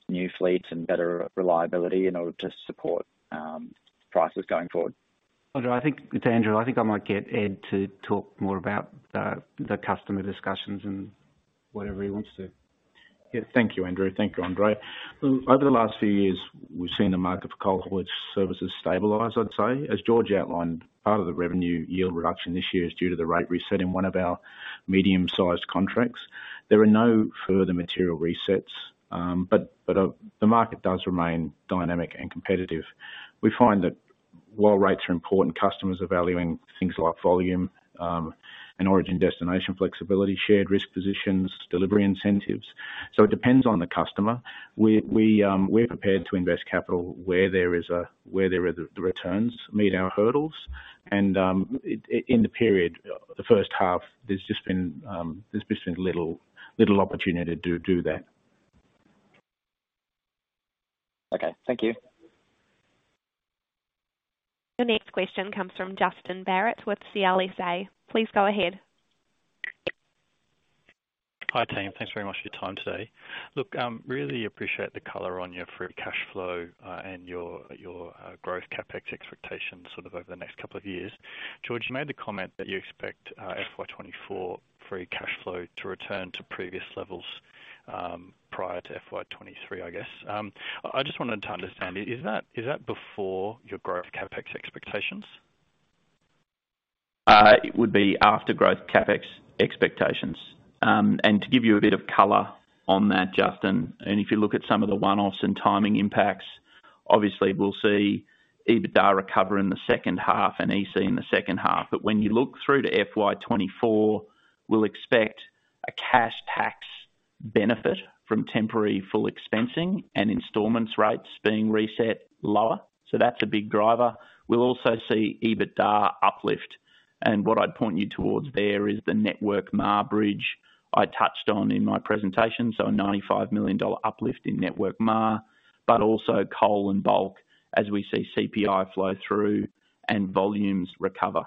new fleets and better reliability in order to support prices going forward? Andre, I think, it's Andrew. I think I might get Ed to talk more about the customer discussions and whatever he wants to. Yeah. Thank you, Andrew. Thank you, Andre. Over the last few years, we've seen the market for Coal haulage services stabilize, I'd say. As George outlined, part of the revenue yield reduction this year is due to the rate reset in one of our medium-sized contracts. There are no further material resets, but the market does remain dynamic and competitive. We find that while rates are important, customers are valuing things like volume, and origin/destination flexibility, shared risk positions, delivery incentives. It depends on the customer. We're prepared to invest capital where there are the returns meet our hurdles and in the period, the first half, there's just been little opportunity to do that. Okay. Thank you. Your next question comes from Justin Barratt with CLSA. Please go ahead. Hi, team. Thanks very much for your time today. Look, really appreciate the color on your free cash flow, and your growth CapEx expectations sort of over the next couple of years. George, you made the comment that you expect FY 2024 free cash flow to return to previous levels, prior to FY 2023, I guess. I just wanted to understand. Is that before your growth CapEx expectations? It would be after growth CapEx expectations. To give you a bit of color on that, Justin, and if you look at some of the one-offs and timing impacts, obviously we'll see EBITDA recover in the second half and EC in the second half. When you look through to FY 2024, we'll expect a cash tax benefit from temporary full expensing and installments rates being reset lower. That's a big driver. We'll also see EBITDA uplift. What I'd point you towards there is the Network MFAR bridge I touched on in my presentation, so an 95 million dollar uplift in Network MFAR, but also Coal and Bulk as we see CPI flow through and volumes recover.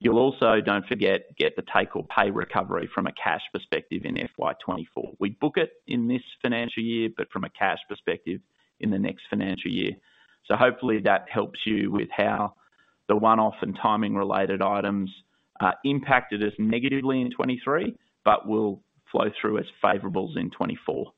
You'll also, don't forget, get the take or pay recovery from a cash perspective in FY 2024. We book it in this financial year, but from a cash perspective in the next financial year. Hopefully that helps you with how the one-off and timing related items impacted us negatively in 2023, but will flow through as favorables in 2024.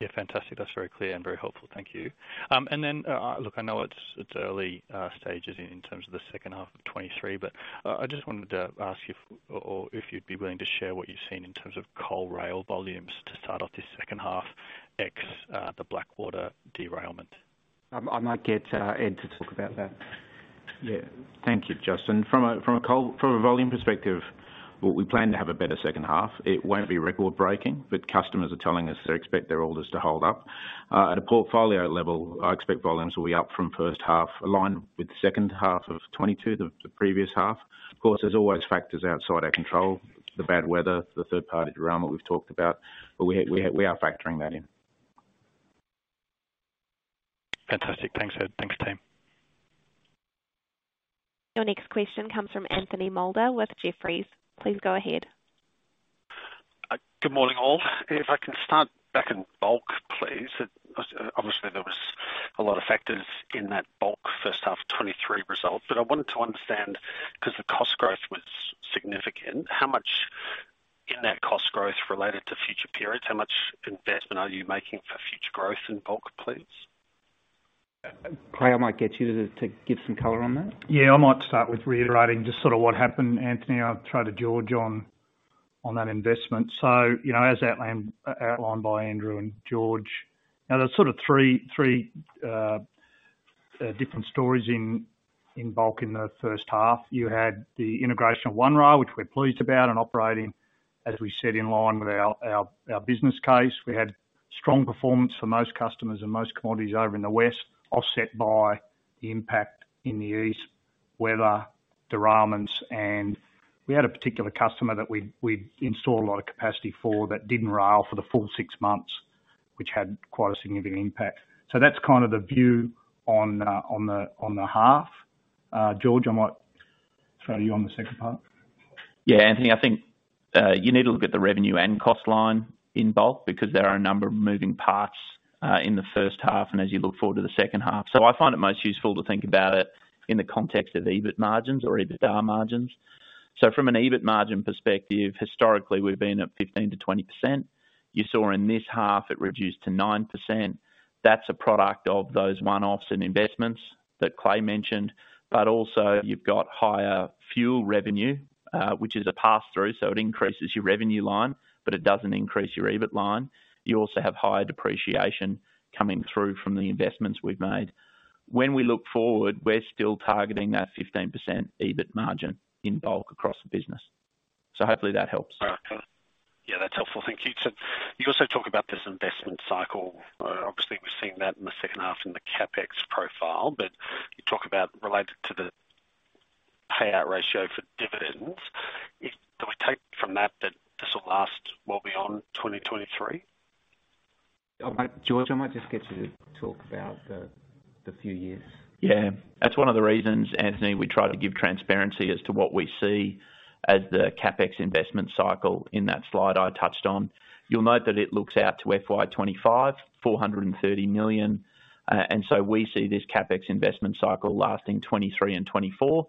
Yeah. Fantastic. That's very clear and very helpful. Thank you. Look, I know it's early stages in terms of the second half of 2023, but I just wanted to ask you or if you'd be willing to share what you've seen in terms of Coal rail volumes to start off this second half ex the Blackwater derailment. I might get Ed to talk about that. Thank you, Justin. From a volume perspective, well, we plan to have a better second half. It won't be record-breaking, but customers are telling us they expect their orders to hold up. At a portfolio level, I expect volumes will be up from first half, aligned with the second half of 2022, the previous half. There's always factors outside our control, the bad weather, the third party derailment we've talked about, but we are factoring that in. Fantastic. Thanks, Ed. Thanks, team. Your next question comes from Anthony Moulder with Jefferies. Please go ahead. Good morning, all. If I can start back in Bulk, please. There was a lot of factors in that Bulk first half 2023 results, but I wanted to understand, because the cost growth was significant, how much in that cost growth related to future periods, how much investment are you making for future growth in Bulk, please? Clay, I might get you to give some color on that. I might start with reiterating just sort of what happened, Anthony. I'll throw to George on that investment. As outlined by Andrew and George, you know, there's sort of three different stories in Bulk in the first half. You had the integration of One Rail, which we're pleased about and operating as we said, in line with our business case. We had strong performance for most customers and most commodities over in the west, offset by the impact in the east, weather, derailments. We had a particular customer that we'd installed a lot of capacity for that didn't rail for the full six months, which had quite a significant impact. That's kind of the view on the half. George, I might throw you on the second part. Yeah, Anthony, I think you need to look at the revenue and cost line in Bulk because there are a number of moving parts in the first half and as you look forward to the second half. I find it most useful to think about it in the context of EBIT margins or EBITDA margins. From an EBIT margin perspective, historically, we've been at 15%-20%. You saw in this half it reduced to 9%. That's a product of those one-offs and investments that Clay mentioned. Also you've got higher fuel revenue, which is a pass-through, so it increases your revenue line, but it doesn't increase your EBIT line. You also have higher depreciation coming through from the investments we've made. When we look forward, we're still targeting that 15% EBIT margin in Bulk across the business. Hopefully that helps. All right. Cool. Yeah, that's helpful. Thank you. You also talk about this investment cycle. Obviously we're seeing that in the second half in the CapEx profile, but you talk about related to the payout ratio for dividends. Do we take from that this will last well beyond 2023? George, I might just get you to talk about the few years. That's one of the reasons, Anthony, we try to give transparency as to what we see as the CapEx investment cycle in that slide I touched on. You'll note that it looks out to FY 2025, 430 million. We see this CapEx investment cycle lasting 2023 and 2024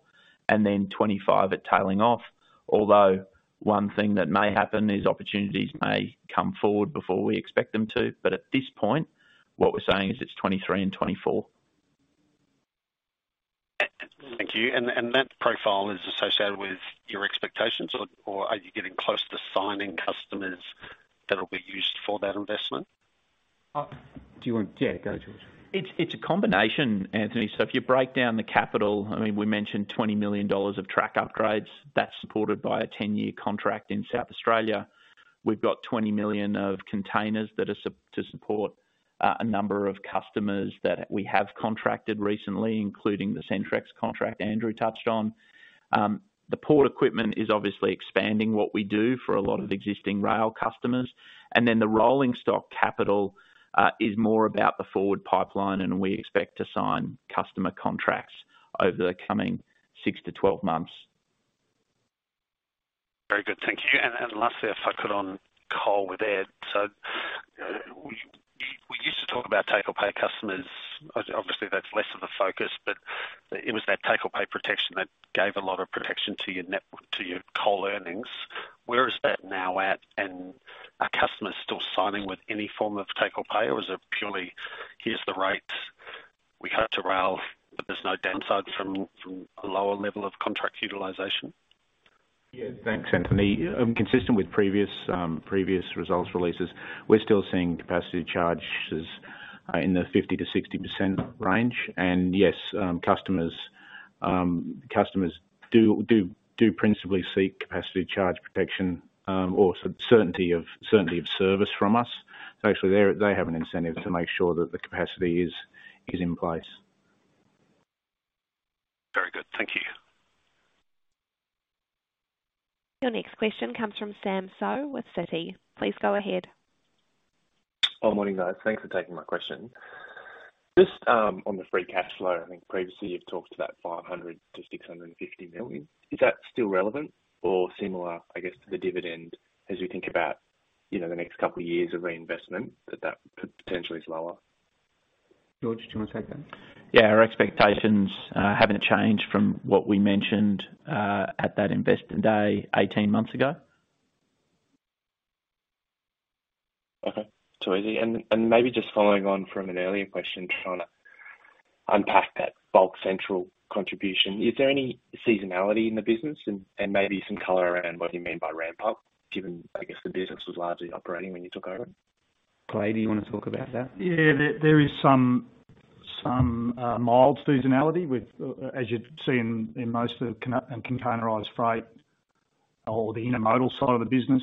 and then 2025 it tailing off. One thing that may happen is opportunities may come forward before we expect them to. At this point, what we're saying is it's 2023 and 2024. Thank you. That profile is associated with your expectations or are you getting close to signing customers that'll be used for that investment? Yeah, go George. It's a combination, Anthony. If you break down the capital, I mean, we mentioned 20 million dollars of track upgrades. That's supported by a 10-year contract in South Australia. We've got 20 million of containers that are to support a number of customers that we have contracted recently, including the Centrex contract Andrew touched on. The port equipment is obviously expanding what we do for a lot of existing rail customers. The rolling stock capital is more about the forward pipeline, and we expect to sign customer contracts over the coming six to 12 months. Very good. Thank you. Lastly, if I could on Coal with Ed. We used to talk about take or pay customers. Obviously, that's less of a focus, but it was that take or pay protection that gave a lot of protection to your Coal earnings. Where is that now at? Are customers still signing with any form of take or pay, or is it purely, here's the rates, we cut to rail, but there's no downside from a lower level of contract utilization? Yeah. Thanks, Anthony. Consistent with previous results releases, we're still seeing capacity charges in the 50%-60% range. Yes, customers do principally seek capacity charge protection or certainty of service from us. Actually they have an incentive to make sure that the capacity is in place. Very good. Thank you. Your next question comes from Sam Seow with Citi. Please go ahead. Good morning, guys. Thanks for taking my question. Just on the free cash flow, I think previously you've talked about 500 million-650 million. Is that still relevant or similar, I guess, to the dividend as you think about, you know, the next couple of years of reinvestment that could potentially slower? George, do you want to take that? Yeah. Our expectations haven't changed from what we mentioned at that investment day 18 months ago. Okay. Too easy. Maybe just following on from an earlier question, trying to unpack that Bulk Central contribution. Is there any seasonality in the business and maybe some color around what you mean by ramp up, given, I guess, the business was largely operating when you took over? Clay, do you want to talk about that? Yeah. There is some mild seasonality with, as you'd see in most of containerized freight or the intermodal side of the business.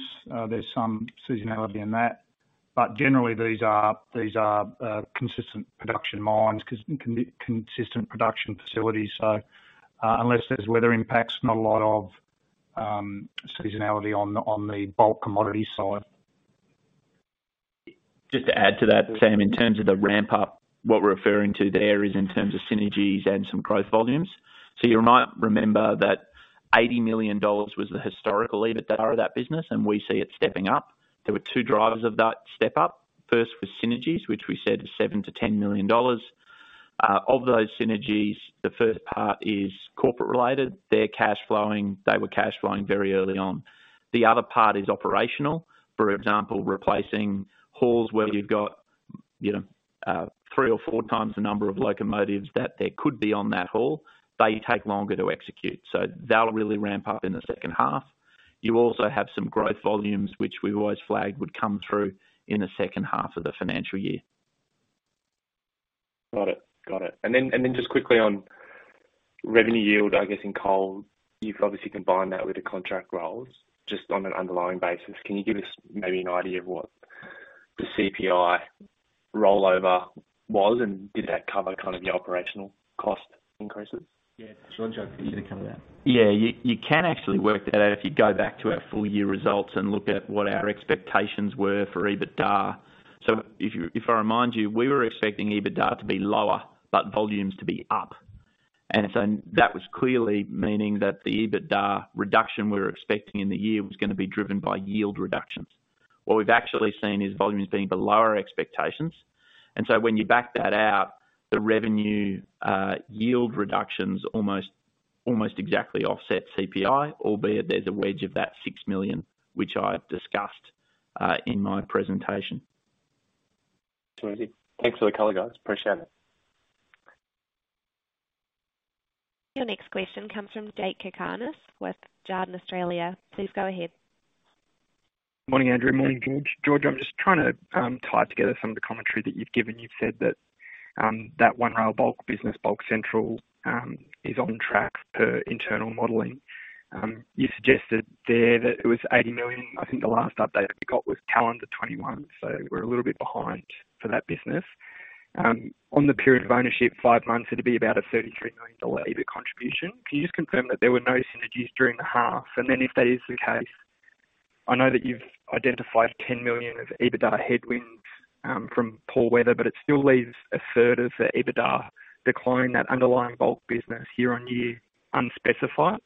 There's some seasonality in that. Generally these are consistent production mines consistent production facilities. Unless there's weather impacts, not a lot of seasonality on the Bulk commodity side. Just to add to that, Sam, in terms of the ramp up, what we're referring to there is in terms of synergies and some growth volumes. You might remember that 80 million dollars was the historical EBITDAR of that business, and we see it stepping up. There were two drivers of that step up. First was synergies, which we said is 7 million-10 million dollars. Of those synergies, the first part is corporate related. They're cash flowing. They were cash flowing very early on. The other part is operational. For example, replacing hauls where you've got, you know, three or four times the number of locomotives that there could be on that haul. They take longer to execute, so they'll really ramp up in the second half. You also have some growth volumes which we've always flagged would come through in the second half of the financial year. Got it. Got it. Just quickly on revenue yield, I guess in Coal, you've obviously combined that with the contract rolls. Just on an underlying basis, can you give us maybe an idea of what the CPI rollover was, and did that cover kind of the operational cost increases? Yeah. George, I'll get you to cover that. Yeah. You can actually work that out if you go back to our full-year results and look at what our expectations were for EBITDAR. If I remind you, we were expecting EBITDAR to be lower but volumes to be up. That was clearly meaning that the EBITDAR reduction we were expecting in the year was gonna be driven by yield reductions. What we've actually seen is volumes being below our expectations. When you back that out, the revenue yield reductions almost exactly offset CPI, albeit there's a wedge of that 6 million, which I discussed in my presentation. Too easy. Thanks for the color, guys. Appreciate it. Your next question comes from Jakob Cakarnis with Jarden Australia. Please go ahead. Morning, Andrew. Morning, George. George, I'm just trying to tie together some of the commentary that you've given. You've said that that One Rail Bulk business, Bulk Central, is on track per internal modeling. You suggested there that it was 80 million. I think the last update that we got was calendar 2021, so we're a little bit behind for that business. On the period of ownership, five months, it'd be about a 33 million dollar EBIT contribution. Can you just confirm that there were no synergies during the half? If that is the case, I know that you've identified 10 million of EBITDA headwinds from poor weather, but it still leaves a third of the EBITDA decline, that underlying Bulk business year-on-year unspecified.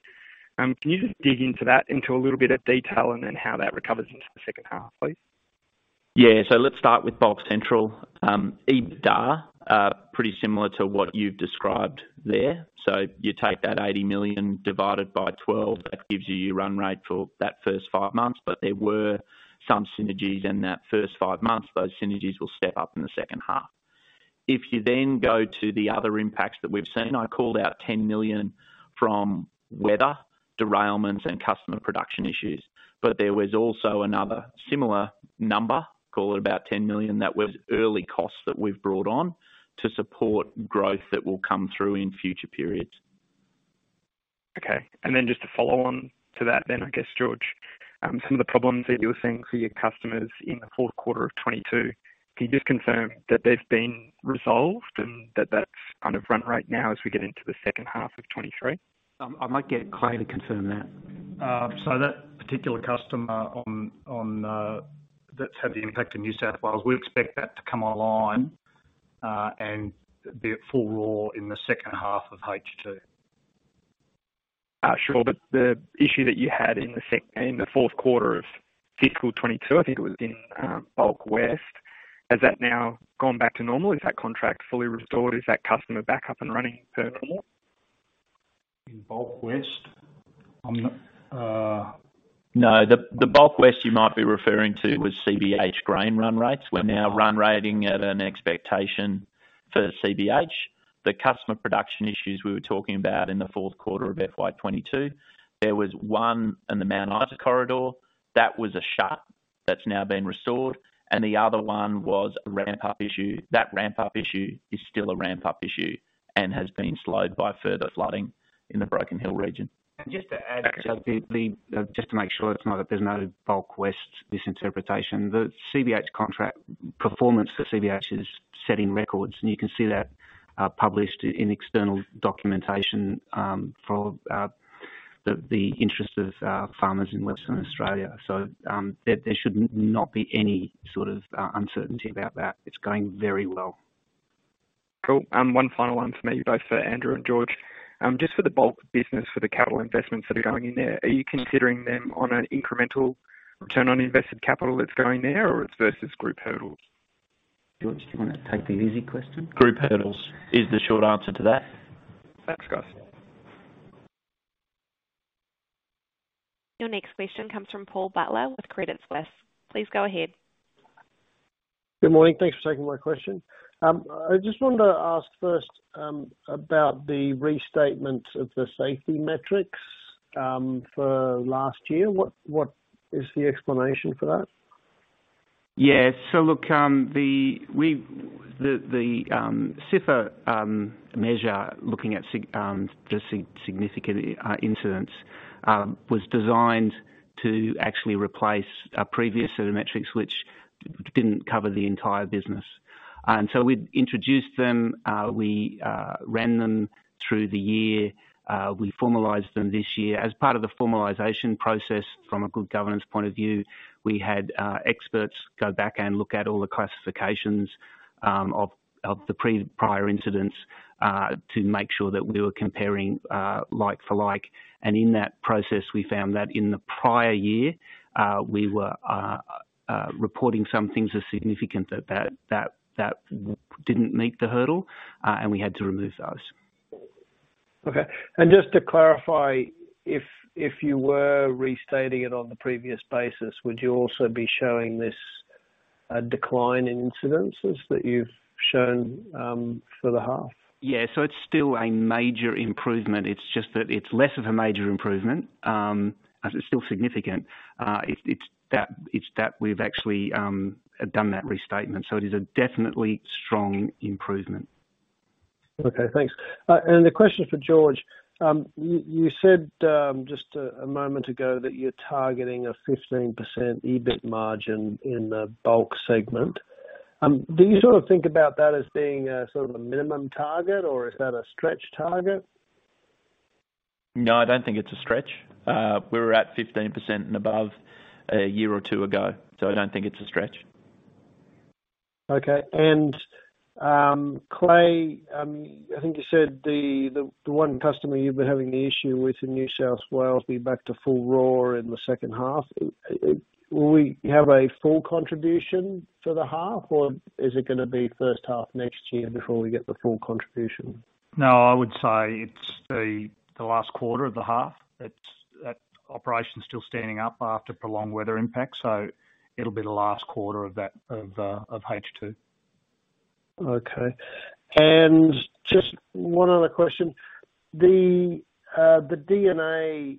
Can you just dig into that into a little bit of detail and then how that recovers into the second half, please? Let's start with Bulk Central. EBITDA pretty similar to what you've described there. You take that 80 million divided by 12, that gives you your run rate for that first five months. There were some synergies in that first five months. Those synergies will step up in the second half. If you then go to the other impacts that we've seen, I called out 10 million from weather derailments and customer production issues. There was also another similar number, call it about 10 million, that was early costs that we've brought on to support growth that will come through in future periods. Okay. Just to follow on to that then, I guess, George, some of the problems that you were seeing for your customers in the fourth quarter of 2022, can you just confirm that they've been resolved and that that's kind of run right now as we get into the second half of 2023? I might get Clay to confirm that. That particular customer on that's had the impact in New South Wales, we expect that to come online, and be at full raw in the second half of H2. Sure. The issue that you had in the fourth quarter of fiscal 2022, I think it was in Bulk West, has that now gone back to normal? Is that contract fully restored? Is that customer back up and running permanently? In Bulk West? I'm not. No, the Bulk West you might be referring to was CBH grain run rates. We're now run rating at an expectation for CBH. The customer production issues we were talking about in the fourth quarter of FY 2022, there was one in the Mount Isa corridor that was a shut that's now been restored, and the other one was a ramp-up issue. That ramp-up issue is still a ramp-up issue and has been slowed by further flooding in the Broken Hill region. Just to add, just the, just to make sure it's not that there's no Bulk West misinterpretation. The CBH contract performance for CBH is setting records, and you can see that published in external documentation for the interest of farmers in Western Australia. There should not be any sort of uncertainty about that. It's going very well. Cool. One final one for me, both for Andrew and George. Just for the Bulk business, for the capital investments that are going in there, are you considering them on an incremental return on invested capital that's going there or it's versus group hurdles? George, do you wanna take the easy question? Group hurdles is the short answer to that. Thanks, guys. Your next question comes from Paul Butler with Credit Suisse. Please go ahead. Good morning. Thanks for taking my question. I just wanted to ask first about the restatement of the safety metrics for last year. What is the explanation for that? Yeah. Look, the SIFR measure, looking at significant incidents, was designed to actually replace a previous set of metrics which didn't cover the entire business. We introduced them, we ran them through the year, we formalized them this year. As part of the formalization process from a good governance point of view, we had experts go back and look at all the classifications of the prior incidents to make sure that we were comparing like for like. In that process, we found that in the prior year, we were reporting some things as significant that didn't meet the hurdle, and we had to remove those. Okay. Just to clarify, if you were restating it on the previous basis, would you also be showing this decline in incidences that you've shown for the half? Yeah. It's still a major improvement. It's just that it's less of a major improvement, as it's still significant. It's that we've actually done that restatement. It is a definitely strong improvement. Okay. Thanks. A question for George. You said just a moment ago that you're targeting a 15% EBIT margin in the Bulk segment. Do you sort of think about that as being a sort of a minimum target or is that a stretch target? No, I don't think it's a stretch. We were at 15% and above a year or two ago, I don't think it's a stretch. Okay. Clay, I think you said the one customer you've been having the issue with in New South Wales will be back to full raw in the second half. Will we have a full contribution for the half or is it gonna be first half next year before we get the full contribution? No, I would say it's the last quarter of the half. It's, that operation's still standing up after prolonged weather impact. It'll be the last quarter of that, of H2. Okay. Just one other question. The D&A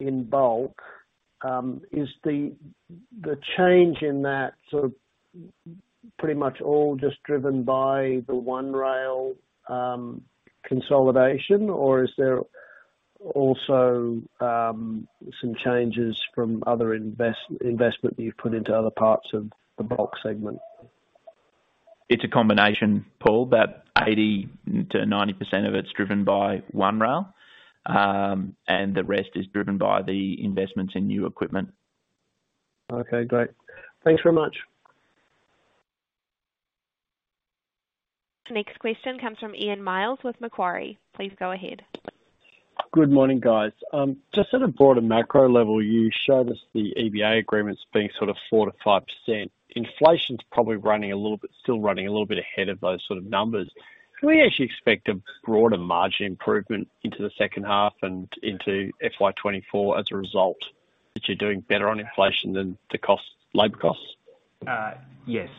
in Bulk is the change in that sort of pretty much all just driven by the One Rail consolidation? Some changes from other investment that you've put into other parts of the Bulk segment. It's a combination, Paul, but 80%-90% of it's driven by One Rail, and the rest is driven by the investments in new equipment. Okay, great. Thanks very much. Next question comes from Ian Myles with Macquarie. Please go ahead. Good morning, guys. Just at a broader macro level, you showed us the EBA agreements being 4%-5%. Inflation's probably running a little bit, still running a little bit ahead of those numbers. Can we actually expect a broader margin improvement into the second half and into FY 2024 as a result, that you're doing better on inflation than the cost, labor costs? Yes.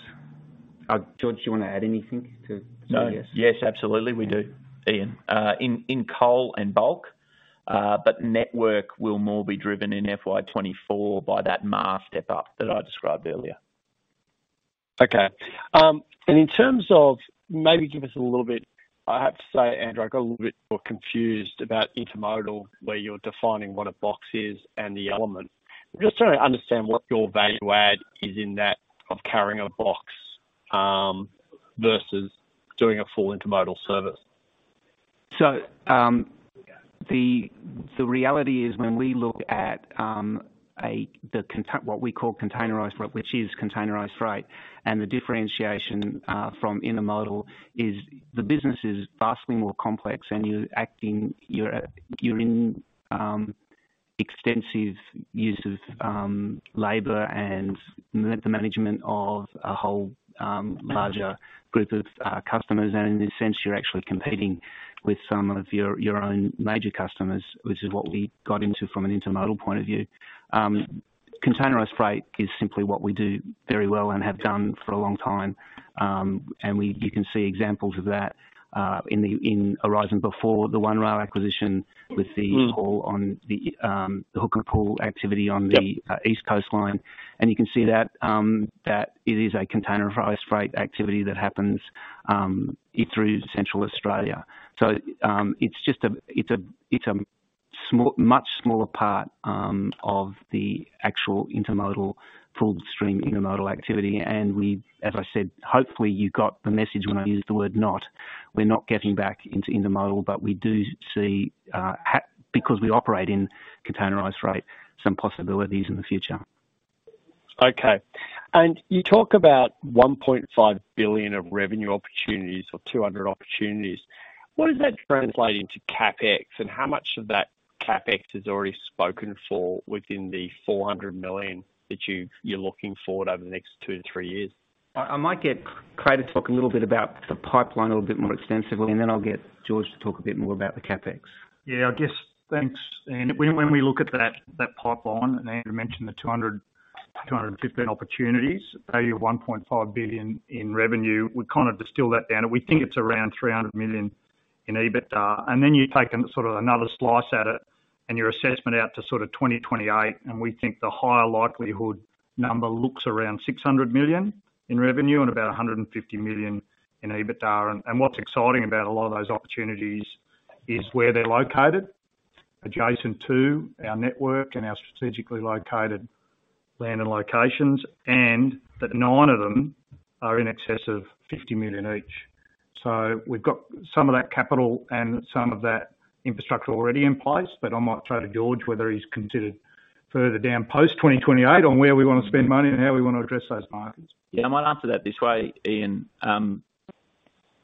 George, you wanna add anything to yes? No. Yes, absolutely, we do, Ian. In Coal and Bulk, Network will more be driven in FY 2024 by that MaaS step-up that I described earlier. Okay. In terms of maybe give us a little bit, I have to say, Andrew, I got a little bit more confused about intermodal, where you're defining what a box is and the element. I'm just trying to understand what your value add is in that of carrying a box versus doing a full intermodal service. The reality is when we look at what we call containerized freight, which is containerized freight, and the differentiation from intermodal is the business is vastly more complex, and you're in extensive use of labor and the management of a whole larger group of customers. In a sense you're actually competing with some of your own major customers, which is what we got into from an intermodal point of view. Containerized freight is simply what we do very well and have done for a long time. You can see examples of that in Aurizon before the One Rail acquisition with the haul on the hook and pull activity on. Yep. East Coast line. You can see that it is a containerized freight activity that happens through Central Australia. It's just a much smaller part of the actual intermodal, full stream intermodal activity. We've, as I said, hopefully you got the message when I used the word not, we're not getting back into intermodal, but we do see because we operate in containerized freight some possibilities in the future. Okay. You talk about 1.5 billion of revenue opportunities or 200 opportunities. What does that translate into CapEx, and how much of that CapEx is already spoken for within the 400 million that you're looking forward over the next two to three years? I might get Clay to talk a little bit about the pipeline a little bit more extensively, then I'll get George to talk a bit more about the CapEx. Yeah, I guess. Thanks, Ian. When we look at that pipeline, Andrew mentioned the 200, 250 opportunities value of 1.5 billion in revenue, we kind of distill that down, and we think it's around 300 million in EBITDA. Then you take a sort of another slice at it and your assessment out to sort of 2028, we think the higher likelihood number looks around 600 million in revenue and about 150 million in EBITDA. What's exciting about a lot of those opportunities is where they're located, adjacent to our Network and our strategically located land and locations, and that nine of them are in excess of 50 million each. We've got some of that capital and some of that infrastructure already in place. I might throw to George, whether he's considered further down post 2028 on where we wanna spend money and how we wanna address those markets. Yeah, I might answer that this way, Ian.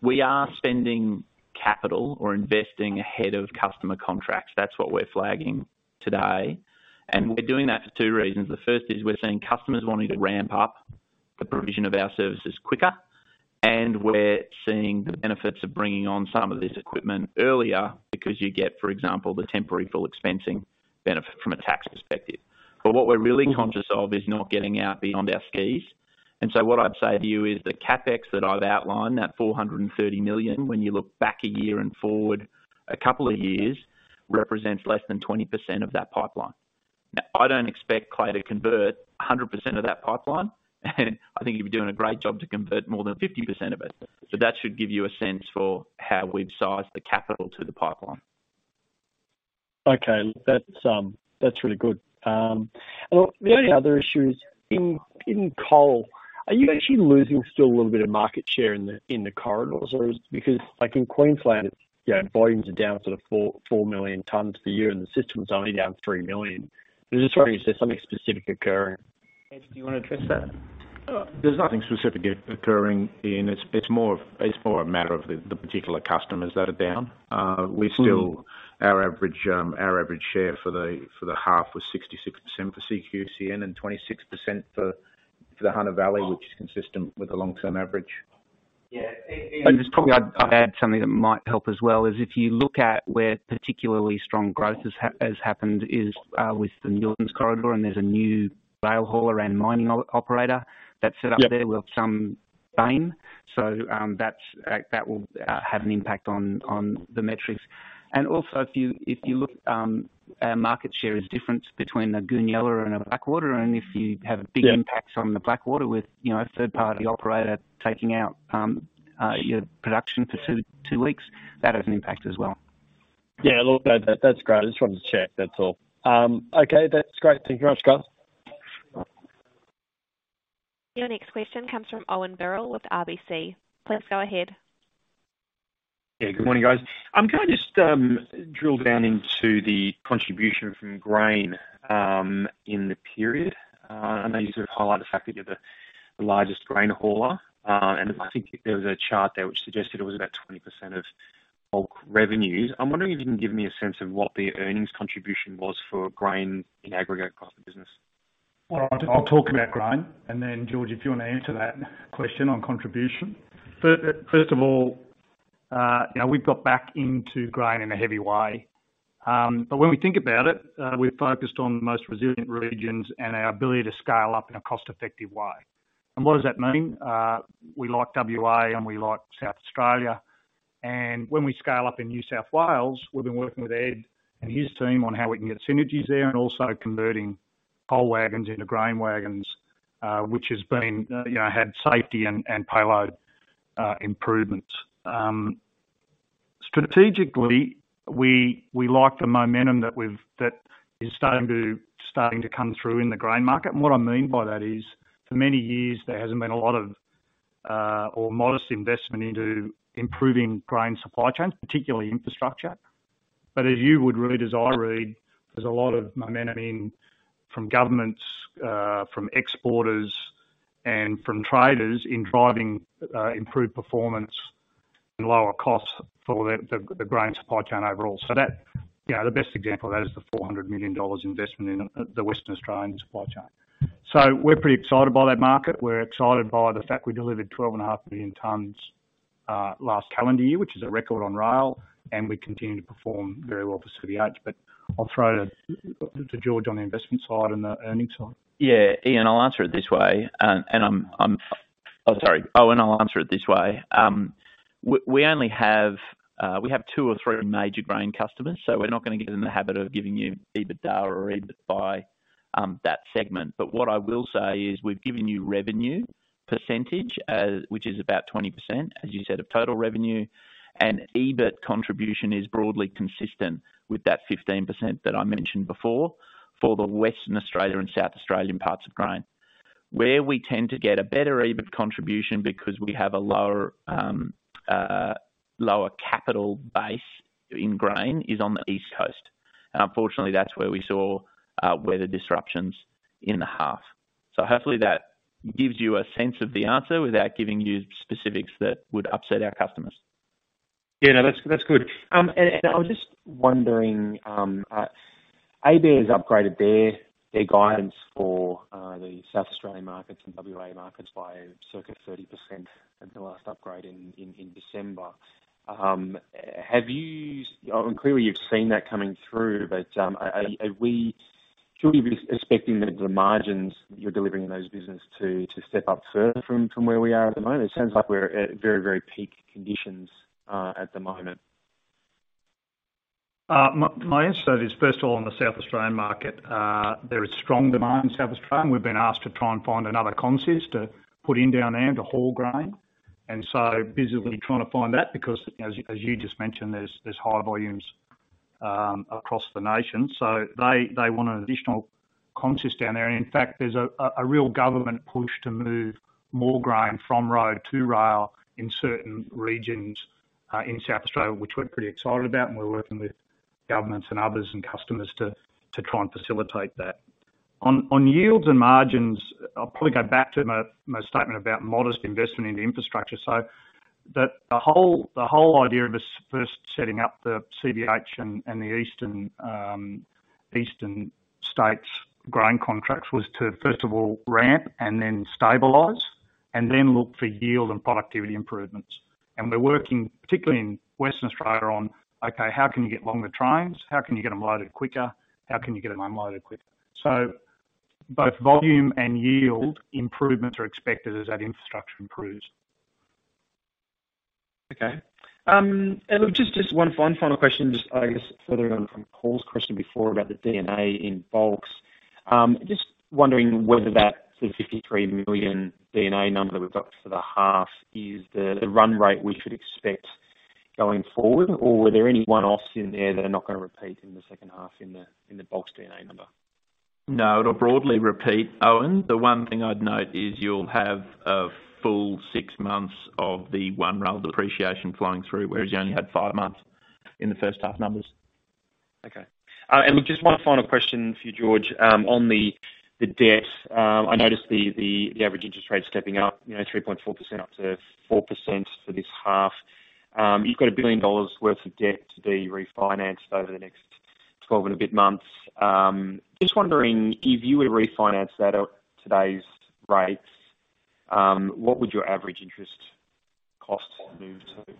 We are spending capital or investing ahead of customer contracts. That's what we're flagging today, we're doing that for two reasons. The first is we're seeing customers wanting to ramp up the provision of our services quicker. We're seeing the benefits of bringing on some of this equipment earlier because you get, for example, the temporary full expensing benefit from a tax perspective. What we're really conscious of is not getting out beyond our skis. What I'd say to you is the CapEx that I've outlined, that 430 million, when you look back a year and forward a couple of years, represents less than 20% of that pipeline. I don't expect Clay to convert 100% of that pipeline, and I think he'd be doing a great job to convert more than 50% of it. That should give you a sense for how we've sized the capital to the pipeline. Okay. That's, that's really good. The only other issue is in Coal, are you actually losing still a little bit of market share in the, in the corridors or is it because, like in Queensland, you know, volumes are down sort of four million tons for the year and the system's only down three million? I'm just wondering if there's something specific occurring. Ed, do you wanna address that? There's nothing specific occurring, Ian. It's more a matter of the particular customers that are down. We still, our average share for the half was 66% for CQCN and 26% for the Hunter Valley, which is consistent with the long-term average. Just probably I'd add something that might help as well, is if you look at where particularly strong growth has happened is with the Newlands corridor, and there's a new rail haul around mining operator that set up there. Yep. With some bane. That's, that will, have an impact on the metrics. Also if you look, our market share is different between the Goonyella and the Blackwater. If you have a big impact. Yeah. On the Blackwater with, you know, a third party operator taking out, your production for two weeks, that has an impact as well. Yeah, look, that, that's great. I just wanted to check, that's all. Okay, that's great. Thank you very much, guys. Your next question comes from Owen Birrell with RBC. Please go ahead. Good morning, guys. I'm gonna just drill down into the contribution from grain in the period. I know you sort of highlight the fact that you're the largest grain hauler, and I think there was a chart there which suggested it was about 20% of Bulk revenues. I'm wondering if you can give me a sense of what the earnings contribution was for grain in aggregate across the business. Well, I'll talk about grain and then George, if you wanna answer that question on contribution. First of all, you know, we've got back into grain in a heavy way. When we think about it, we're focused on the most resilient regions and our ability to scale up in a cost-effective way. What does that mean? We like WA and we like South Australia, and when we scale up in New South Wales, we've been working with Ed and his team on how we can get synergies there and also converting Coal wagons into grain wagons, which has been, you know, had safety and payload improvements. Strategically, we like the momentum that we've that is starting to come through in the grain market. What I mean by that is, for many years there hasn't been a lot of, or modest investment into improving grain supply chains, particularly infrastructure. As you would read, as I read, there's a lot of momentum in from governments, from exporters and from traders in driving improved performance and lower costs for the grain supply chain overall. You know, the best example of that is the 400 million dollars investment in the Western Australian supply chain. We're pretty excited by that market. We're excited by the fact we delivered 12.5 billion tons last calendar year, which is a record on rail, and we continue to perform very well for CBH. I'll throw to George on the investment side and the earnings side. Yeah. Ian, I'll answer it this way. Owen, I'll answer it this way. We have two or three major grain customers, so we're not gonna get in the habit of giving you EBITDA or EBIT by that segment. What I will say is we've given you revenue percentage, which is about 20%, as you said, of total revenue and EBIT contribution is broadly consistent with that 15% that I mentioned before for the Western Australia and South Australian parts of grain. Where we tend to get a better EBIT contribution because we have a lower capital base in grain is on the East Coast. Unfortunately, that's where we saw weather disruptions in the half. Hopefully that gives you a sense of the answer without giving you specifics that would upset our customers. Yeah. No, that's good. I was just wondering, AB has upgraded their guidance for the South Australian markets and WA markets by circa 30% since the last upgrade in December. Clearly you've seen that coming through. Should we be expecting the margins you're delivering in those business to step up further from where we are at the moment? It sounds like we're at very peak conditions at the moment. My answer to that is first of all, on the South Australian market, there is strong demand in South Australia. We've been asked to try and find another consist to put in down there and to haul grain, and so visibly trying to find that because, as you just mentioned, there's high volumes across the nation. They want an additional consist down there. In fact, there's a real government push to move more grain from road to rail in certain regions in South Australia, which we're pretty excited about, and we're working with governments and others and customers to try and facilitate that. On yields and margins, I'll probably go back to my statement about modest investment in the infrastructure so that the whole idea of us first setting up the CBH and the eastern states grain contracts was to, first of all, ramp and then stabilize and then look for yield and productivity improvements. We're working particularly in Western Australia on, okay, how can you get longer trains? How can you get them loaded quicker? How can you get them unloaded quicker? Both volume and yield improvements are expected as that infrastructure improves. Okay. Just one final question. Just, I guess, following on from Paul's question before about the NTA in Bulks. Just wondering whether that 53 million NTA number that we've got for the half is the run rate we should expect going forward or were there any one-offs in there that are not gonna repeat in the second half in the Bulks NTA number? No, it'll broadly repeat, Owen. The one thing I'd note is you'll have a full six months of the One Rail depreciation flowing through, whereas you only had five months in the first half numbers. Okay. Look, just one final question for you, George. On the debt, I noticed the average interest rate stepping up, you know, 3.4% up to 4% for this half. You've got 1 billion dollars worth of debt to be refinanced over the next 12 and a bit months. Just wondering, if you were to refinance that at today's rates, what would your average interest cost move to?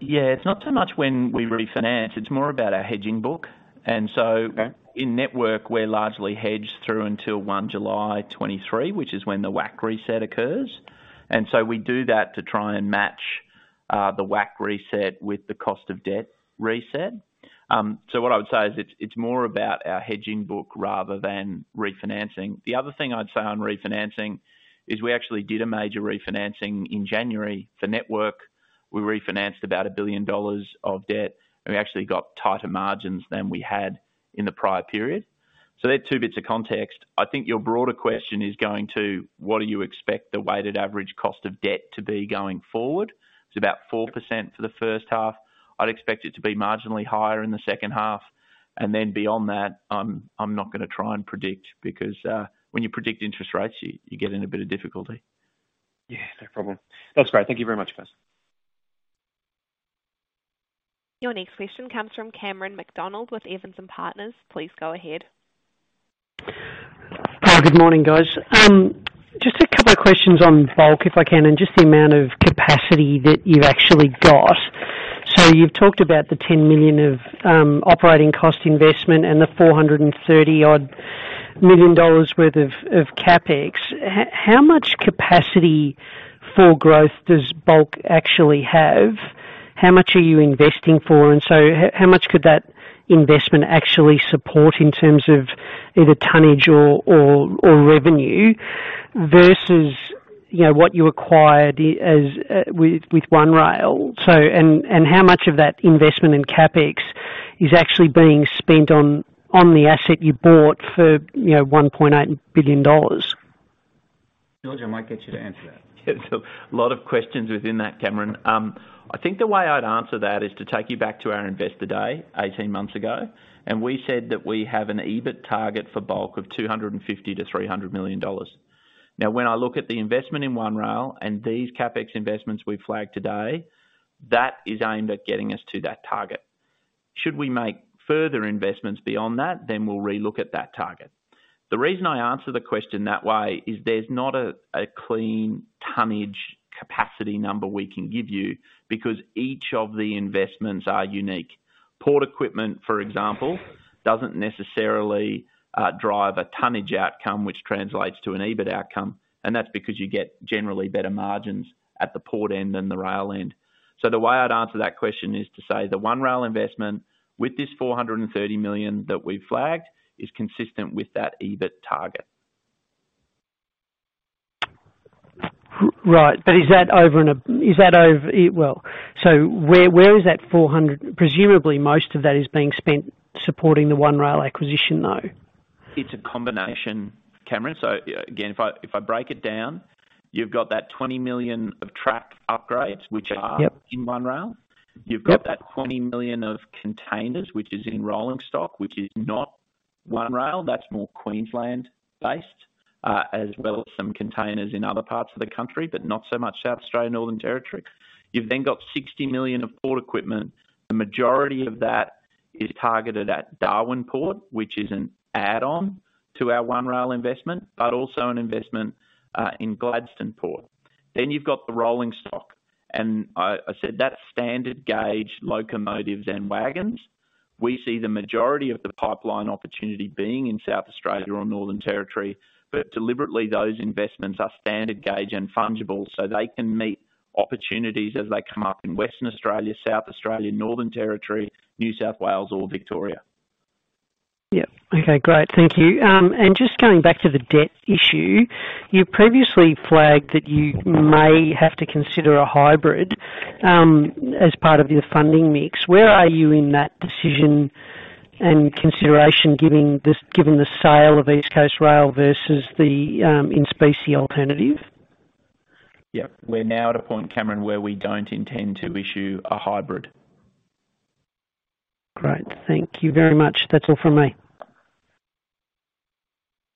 Yeah, it's not so much when we refinance, it's more about our hedging book. Okay. In Network we're largely hedged through until 1 July 2023, which is when the WACC reset occurs. We do that to try and match the WACC reset with the cost of debt reset. What I would say is it's more about our hedging book rather than refinancing. The other thing I'd say on refinancing is we actually did a major refinancing in January for Network. We refinanced about 1 billion dollars of debt, and we actually got tighter margins than we had in the prior period. They're two bits of context. I think your broader question, what do you expect the weighted average cost of debt to be going forward? It's about 4% for the first half. I'd expect it to be marginally higher in the second half. Beyond that, I'm not gonna try and predict because when you predict interest rates, you get in a bit of difficulty. Yeah, no problem. That's great. Thank you very much, guys. Your next question comes from Cameron McDonald with Evans and Partners. Please go ahead. Hello. Good morning, guys. Just two questions on Bulk, if I can, and just the amount of capacity that you've actually got. You've talked about the 10 million of operating cost investment and the 430 million dollars worth of CapEx. How much capacity for growth does Bulk actually have? How much are you investing for? How much could that investment actually support in terms of either tonnage or revenue versus, you know, what you acquired with One Rail? How much of that investment in CapEx is actually being spent on the asset you bought for, you know, 1.8 billion dollars? George, I might get you to answer that. A lot of questions within that, Cameron. I think the way I'd answer that is to take you back to our Investor Day 18 months ago, and we said that we have an EBIT target for Bulk of 250 million-300 million dollars. When I look at the investment in One Rail and these CapEx investments we've flagged today, that is aimed at getting us to that target. Should we make further investments beyond that, then we'll relook at that target. The reason I answer the question that way is there's not a clean tonnage capacity number we can give you because each of the investments are unique. Port equipment, for example, doesn't necessarily drive a tonnage outcome, which translates to an EBIT outcome, and that's because you get generally better margins at the port end than the rail end. The way I'd answer that question is to say the One Rail investment with this 430 million that we flagged is consistent with that EBIT target. Right. Where is that 400? Presumably, most of that is being spent supporting the One Rail acquisition, though. It's a combination, Cameron. Again, if I break it down, you've got that 20 million of track upgrades which are-. Yep. in One Rail. Yep. You've got that 20 million of containers, which is in rolling stock, which is not One Rail. That's more Queensland-based, as well as some containers in other parts of the country, but not so much South Australia, Northern Territory. You've got 60 million of port equipment. The majority of that is targeted at Darwin Port, which is an add-on to our One Rail investment, but also an investment, in Gladstone Port. You've got the rolling stock, and I said that's standard gauge locomotives and wagons. We see the majority of the pipeline opportunity being in South Australia or Northern Territory, but deliberately those investments are standard gauge and fungible, so they can meet opportunities as they come up in Western Australia, South Australia, Northern Territory, New South Wales or Victoria. Yeah. Okay. Great. Thank you. Just going back to the debt issue, you previously flagged that you may have to consider a hybrid as part of your funding mix. Where are you in that decision and consideration giving this, given the sale of East Coast Rail versus the in specie alternative? Yeah. We're now at a point, Cameron, where we don't intend to issue a hybrid. Great. Thank you very much. That's all from me.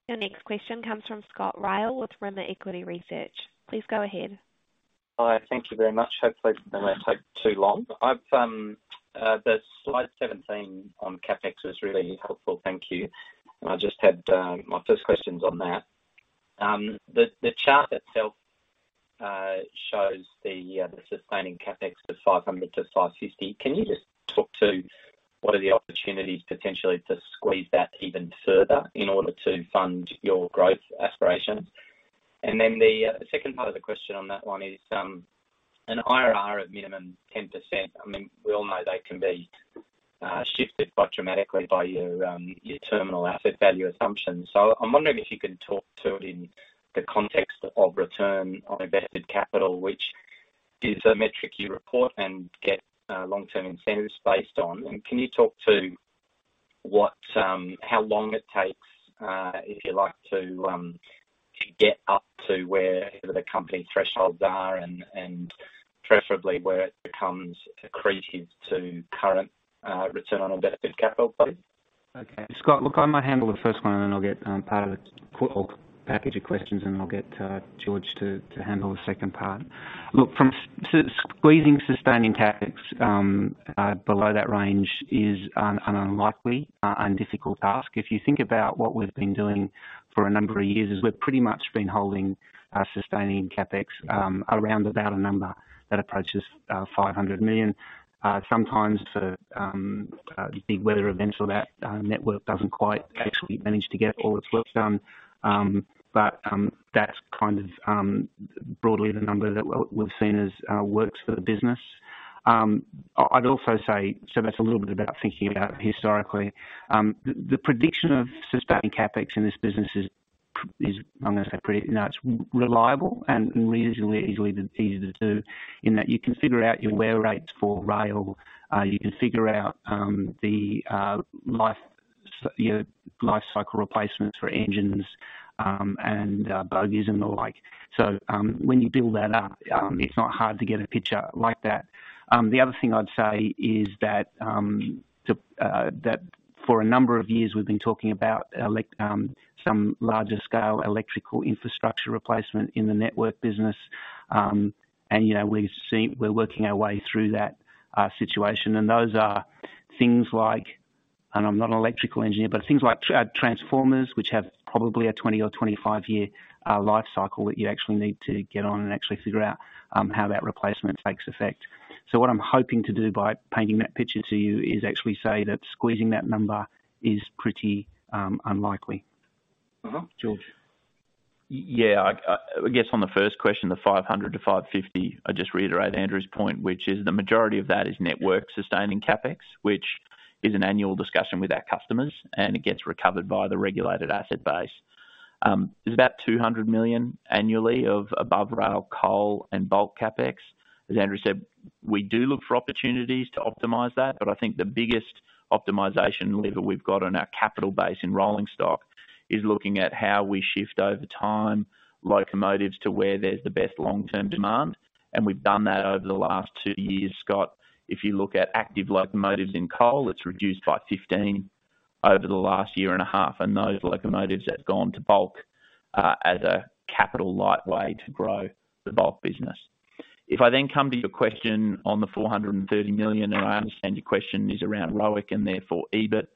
Your next question comes from Scott Ryall with Rimor Equity Research. Please go ahead. Hi. Thank you very much. Hopefully I'm gonna take too long. I've the slide 17 on CapEx was really helpful. Thank you. I just had my first questions on that. The chart itself shows the sustaining CapEx to 500 million-550 million. Can you just talk to what are the opportunities potentially to squeeze that even further in order to fund your growth aspirations? The second part of the question on that one is an IRR of minimum 10%, I mean, we all know they can be shifted quite dramatically by your terminal asset value assumptions. I'm wondering if you can talk to it in the context of return on invested capital, which is a metric you report and get long-term incentives based on. Can you talk to what, how long it takes, if you like to, get up to where the company thresholds are and preferably where it becomes accretive to current return on invested capital, please? Okay, Scott, look, I might handle the first one, and then I'll get part of the whole package of questions, and I'll get George to handle the second part. Look, squeezing sustaining CapEx below that range is an unlikely and difficult task. If you think about what we've been doing for a number of years is we've pretty much been holding our sustaining CapEx around about a number that approaches 500 million. Sometimes for big weather events or that Network doesn't quite actually manage to get all its work done, but that's kind of broadly the number that we've seen as works for the business. I'd also say. That's a little bit about thinking about historically. The prediction of sustaining CapEx in this business is, I'm gonna say no, it's reliable and reasonably easily easier to do in that you can figure out your wear rates for rail. You can figure out, you know, life cycle replacements for engines and bogies and the like. When you build that up, it's not hard to get a picture like that. The other thing I'd say is that for a number of years, we've been talking about some larger scale electrical infrastructure replacement in the Network business. You know, we're working our way through that situation. Those are things like, and I'm not an electrical engineer, but things like transformers, which have probably a 20 or 25-year life cycle that you actually need to get on and actually figure out how that replacement takes effect. What I'm hoping to do by painting that picture to you is actually say that squeezing that number is pretty unlikely. Uh-huh. George. Yeah. I guess on the first question, the 500 million-550 million, I just reiterate Andrew's point, which is the majority of that is Network sustaining CapEx, which is an annual discussion with our customers, and it gets recovered by the regulated asset base. There's about 200 million annually of above-rail, Coal and Bulk CapEx. As Andrew said, we do look for opportunities to optimize that, but I think the biggest optimization lever we've got on our capital base in rolling stock is looking at how we shift over time locomotives to where there's the best long-term demand. We've done that over the last two years, Scott. If you look at active locomotives in Coal, it's reduced by 15 over the last year and a half, and those locomotives have gone to Bulk as a capital light way to grow the Bulk business. I come to your question on the 430 million, I understand your question is around ROIC and therefore EBIT,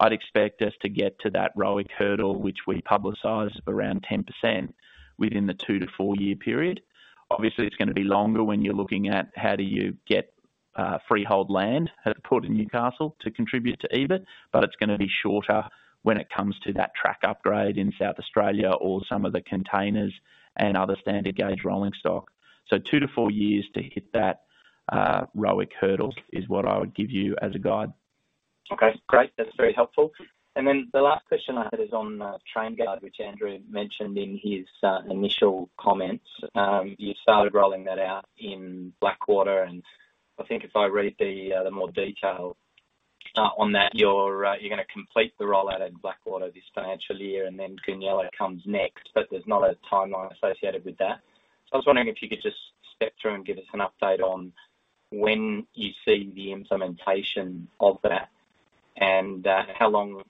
I'd expect us to get to that ROIC hurdle, which we publicize around 10% within the two to four-year period. It's gonna be longer when you're looking at how do you get freehold land at Port of Newcastle to contribute to EBIT, it's gonna be shorter when it comes to that track upgrade in South Australia or some of the containers and other standard gauge rolling stock. two to four years to hit that ROIC hurdle is what I would give you as a guide. Okay, great. That's very helpful. The last question I had is on TrainGuard, which Andrew mentioned in his initial comments. You started rolling that out in Blackwater, and I think if I read the more detail on that, you're gonna complete the rollout in Blackwater this financial year, and then Goonyella comes next, but there's not a timeline associated with that. I was wondering if you could just step through and give us an update on when you see the implementation of that and how long.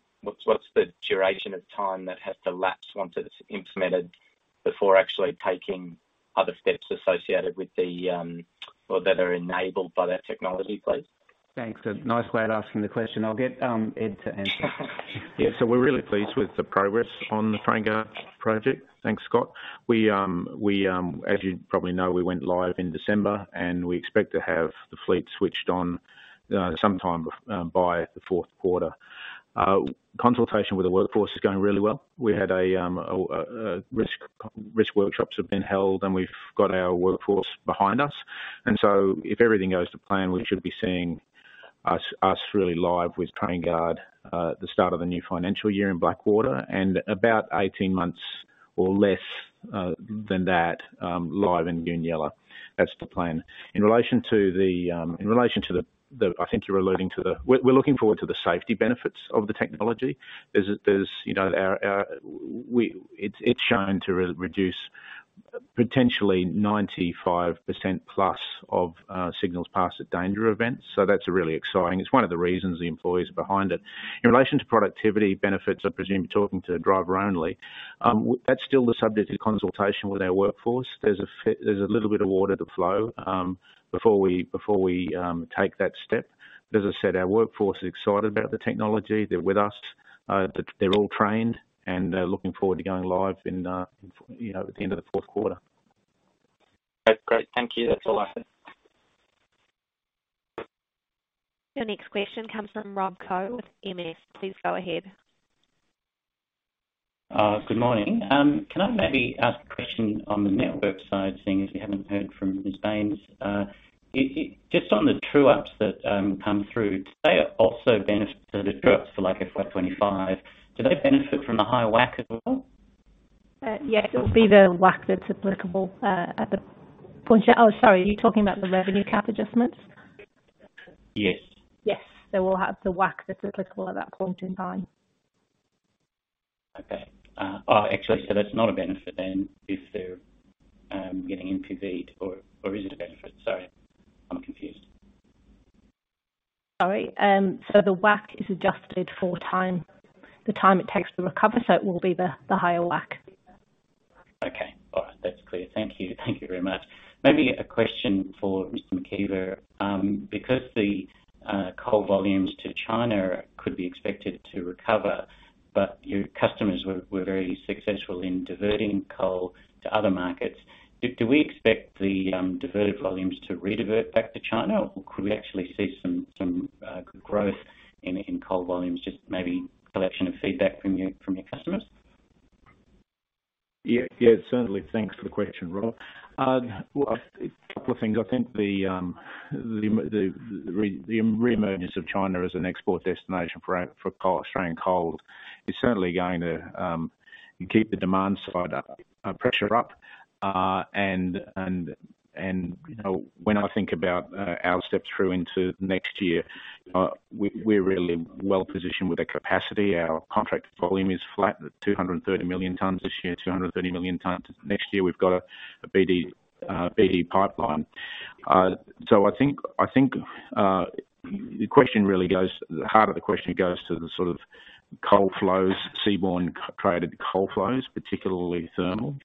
What's the duration of time that has to lapse once it's implemented before actually taking other steps associated with the or that are enabled by that technology, please? Thanks. A nice way of asking the question. I'll get Ed to answer. We're really pleased with the progress on the TrainGuard project. Thanks, Scott. We, as you probably know, we went live in December, and we expect to have the fleet switched on sometime by the fourth quarter. Consultation with the workforce is going really well. We had a risk workshops have been held, and we've got our workforce behind us. If everything goes to plan, we should be seeing us really live with TrainGuard at the start of the new financial year in Blackwater and about 18 months or less than that live in Goonyella. That's the plan. In relation to the, I think you're alluding to the, we're looking forward to the safety benefits of the technology. There's, you know, our, it's shown to reduce potentially 95% plus of signals passed at danger events. That's really exciting. It's one of the reasons the employees are behind it. In relation to productivity benefits, I presume you're talking to the driver only. That's still the subject to consultation with our workforce. There's a little bit of water to flow before we take that step. As I said, our workforce is excited about the technology. They're with us. They're all trained, and they're looking forward to going live in, you know, at the end of the fourth quarter. Great. Great. Thank you. That's all I have. Your next question comes from Rob Koh with Morgan Stanley. Please go ahead. Good morning. Can I maybe ask a question on the Network side, seeing as we haven't heard from Ms. Bains? Just on the true ups that come through, do they also benefit the true ups for like FY 2025? Do they benefit from the higher WACC as well? Yes. It will be the WACC that's applicable at the point in. Oh, sorry. Are you talking about the revenue cap adjustments? Yes. Yes. They will have the WACC that's applicable at that point in time. Okay. Oh, actually, that's not a benefit then if they're getting NPV, or is it a benefit? Sorry, I'm confused. Sorry. The WACC is adjusted for time, the time it takes to recover, so it will be the higher WACC. Okay. All right. That's clear. Thank you. Thank you very much. Maybe a question for Mr. McKeiver. The Coal volumes to China could be expected to recover, but your customers were very successful in diverting Coal to other markets. Do we expect the diverted volumes to redivert back to China? Or could we actually see some growth in Coal volumes, just maybe collection of feedback from your customers? Yeah, certainly. Thanks for the question, Rob. Well, a couple of things. I think the re-reemergence of China as an export destination for Coal, Australian Coal is certainly going to keep the demand side pressure up. You know, when I think about our steps through into next year, we're really well positioned with the capacity. Our contract volume is flat at 230 million tons this year, 230 million tons next year. We've got a BD pipeline. I think the question really goes. The heart of the question goes to the sort of Coal flows, seaborne traded Coal flows, particularly thermal.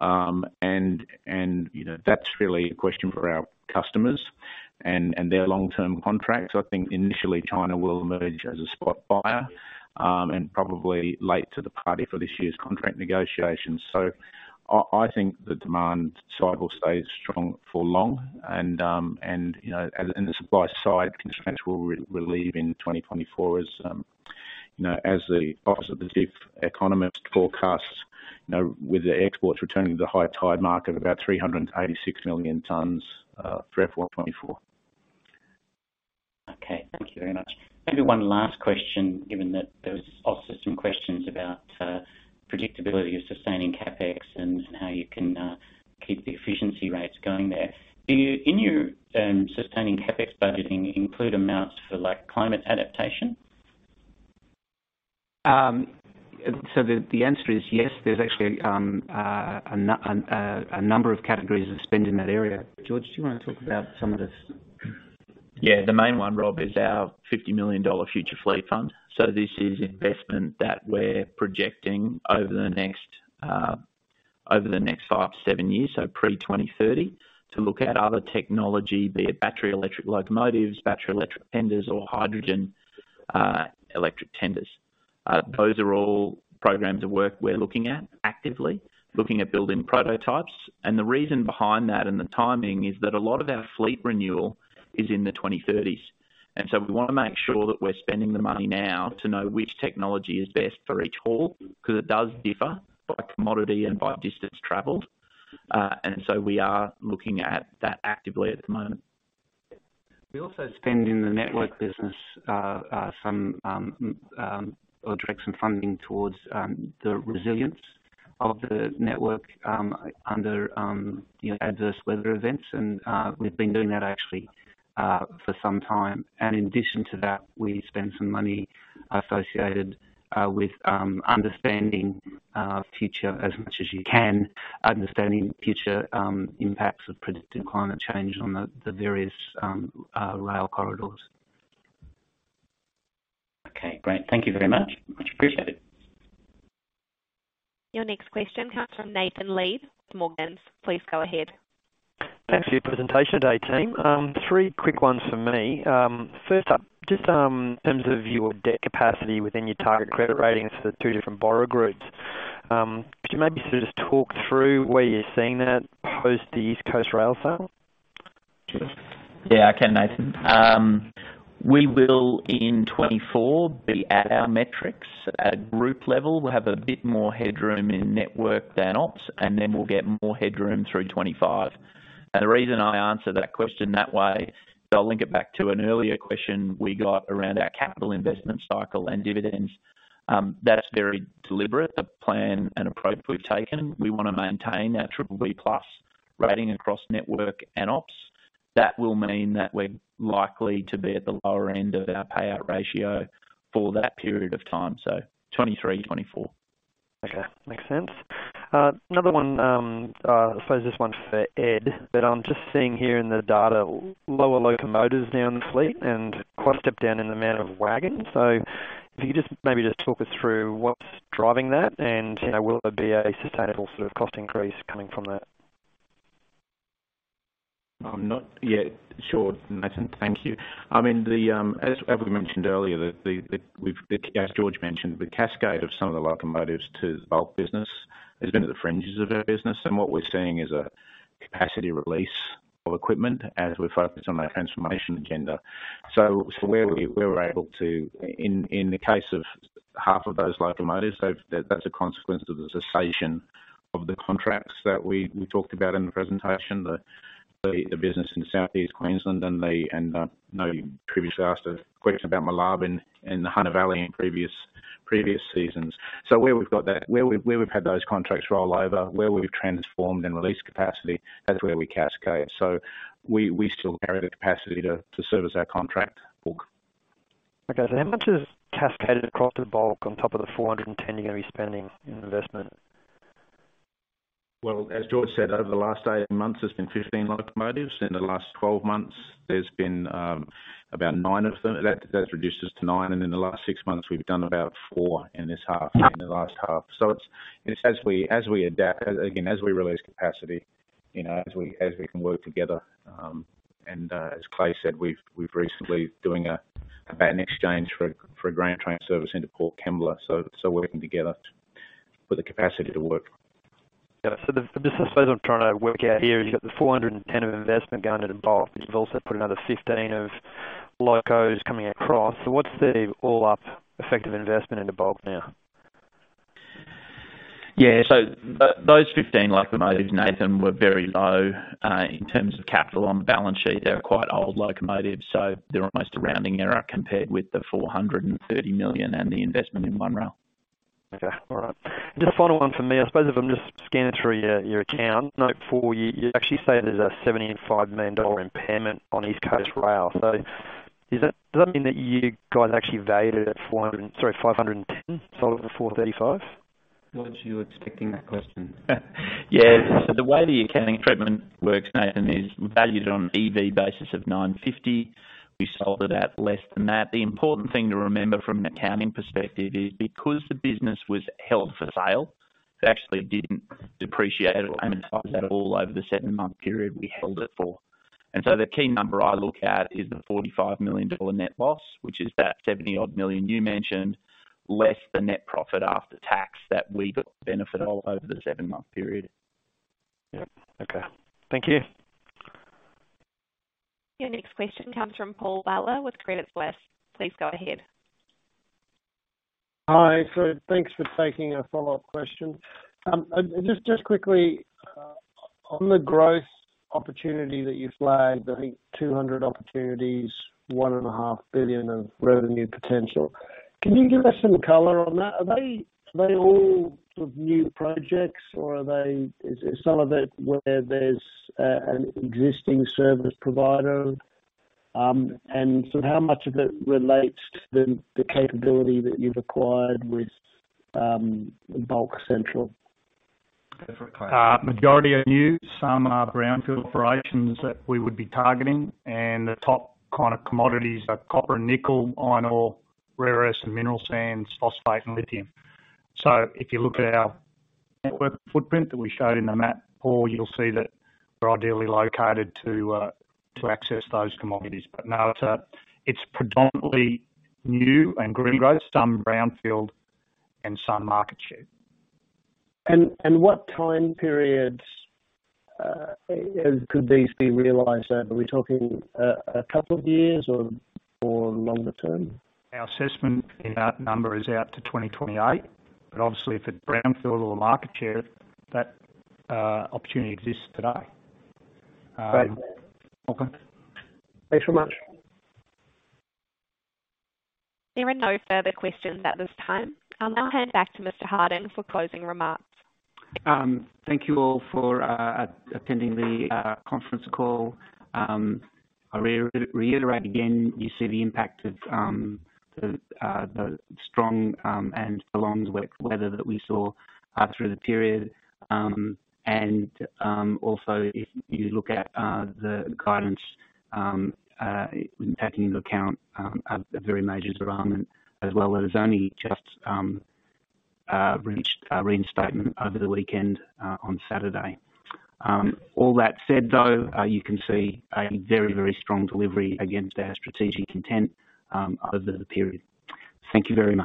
You know, that's really a question for our customers and their long-term contracts. I think initially China will emerge as a spot buyer, and probably late to the party for this year's contract negotiations. I think the demand side will stay strong for long and, you know, and the supply side constraints will relieve in 2024 as, you know, as the Office of the Chief Economist forecasts, you know, with the exports returning to the high tide mark of about 386 million tons for FY 2024. Okay, thank you very much. Maybe one last question, given that there was also some questions about predictability of sustaining CapEx and how you can keep the efficiency rates going there. Do you, in your sustaining CapEx budgeting include amounts for like climate adaptation? The, the answer is yes. There's actually a number of categories of spend in that area. George, do you wanna talk about some of this? Yeah. The main one, Rob, is our 50 million dollar future fleet fund. This is investment that we're projecting over the next five to seven years, pre 2030, to look at other technology, be it battery electric locomotives, battery electric tenders, or hydrogen electric tenders. Those are all programs of work we're looking at actively, looking at building prototypes. The reason behind that and the timing is that a lot of our fleet renewal is in the 2030s. We wanna make sure that we're spending the money now to know which technology is best for each haul, because it does differ by commodity and by distance traveled. We are looking at that actively at the moment. We also spend in the Network business, some or direct some funding towards the resilience of the Network, under, you know, adverse weather events. We've been doing that actually for some time. In addition to that, we spend some money associated with understanding future as much as you can, understanding future impacts of predicted climate change on the various rail corridors. Okay, great. Thank you very much. Much appreciated. Your next question comes from Nathan Lead, Morgans. Please go ahead. Thanks for your presentation today, team. three quick ones from me. first up, just in terms of your debt capacity within your target credit ratings for the two different borrower groups, could you maybe sort of just talk through where you're seeing that post the East Coast Rail sale? Sure. Yeah, I can, Nathan. We will, in 2024, be at our metrics. At group level, we'll have a bit more headroom in Network than Operations, then we'll get more headroom through 2025. The reason I answer that question that way, so I'll link it back to an earlier question we got around our capital investment cycle and dividends, that's very deliberate, the plan and approach we've taken. We wanna maintain our BBB+ rating across Network and Operations. That will mean that we're likely to be at the lower end of our payout ratio for that period of time, so 2023, 2024. Okay. Makes sense. another one, I suppose this one's for Ed, but I'm just seeing here in the data, lower locomotives now in the fleet and quite a step down in the amount of wagons. If you could just maybe just talk us through what's driving that and, you know, will there be a sustainable sort of cost increase coming from that? I'm not yet sure, Nathan. Thank you. I mean, as we mentioned earlier, as George mentioned, the cascade of some of the locomotives to the Bulk business has been at the fringes of our business. What we're seeing is a capacity release of equipment as we focus on our transformation agenda. Where we were able to in the case of half of those locomotives, that's a consequence of the cessation of the contracts that we talked about in the presentation, the business in Southeast Queensland and the, I know you previously asked a question about Moolarben in the Hunter Valley in previous seasons. Where we've got that, where we've had those contracts roll over, where we've transformed and released capacity, that's where we cascade. We still carry the capacity to service our contract book. How much is cascaded across to the Bulk on top of the 410 you're going to be spending in investment? Well, as George said, over the last eight months, there's been 15 locomotives. In the last 12 months, there's been about nine of them. That reduces to nine. In the last six months, we've done about four in this half, in the last half. It's as we adapt, again, as we release capacity, you know, as we can work together, as Clay said, we've recently doing a baton exchange for a grain train service into Port Kembla. Working together with the capacity to work. Got it. The bits I'm trying to work out here is you've got the 410 of investment going into Bulk. You've also put another 15 locos coming across. What's the all-up effective investment into Bulk now? Those 15 locomotives, Nathan, were very low in terms of capital on the balance sheet. They were quite old locomotives, so they're almost a rounding error compared with the 430 million and the investment in One Rail. Okay. All right. Just a final one from me. I suppose if I'm just scanning through your account, note four, you actually say there's a 75 million dollar impairment on East Coast Rail. Does that mean that you guys actually valued it at 400, sorry, 510, sold at 435? George, you were expecting that question. Yes. The way the accounting treatment works, Nathan, is we valued it on an EV basis of 950. We sold it at less than that. The important thing to remember from an accounting perspective is because the business was held for sale, it actually didn't depreciate it or amortize it at all over the seven-month period we held it for. The key number I look at is the 45 million dollar net loss, which is that 70 million-odd you mentioned, less the net profit after tax that we could benefit all over the seven-month period. Yep. Okay. Thank you. Your next question comes from Paul Butler with Credit Suisse. Please go ahead. Hi, again. Thanks for taking a follow-up question. Just quickly on the growth opportunity that you flagged, I think 200 opportunities, 1.5 billion of revenue potential. Can you give us some color on that? Are they all sort of new projects or is some of it where there's an existing service provider? How much of it relates to the capability that you've acquired with Bulk Central? Majority are new. Some are brownfield operations that we would be targeting and the top kind of commodities are copper and nickel, iron ore, rare earths and mineral sands, phosphate and lithium. If you look at our Network footprint that we showed in the map, Paul, you'll see that we're ideally located to access those commodities. No, it's predominantly new and green growth, some brownfield and some market share. What time periods could these be realized over? Are we talking a couple of years or longer term? Our assessment in that number is out to 2028, but obviously if it's brownfield or market share, that opportunity exists today. Great. Okay. Thanks very much. There are no further questions at this time. I'll now hand back to Mr. Harding for closing remarks. Thank you all for attending the conference call. I reiterate again, you see the impact of the strong and prolonged weather that we saw through the period. Also if you look at the guidance, taking into account a very major derailment as well, that has only just reached reinstatement over the weekend, on Saturday. All that said, though, you can see a very, very strong delivery against our strategic intent over the period. Thank you very much.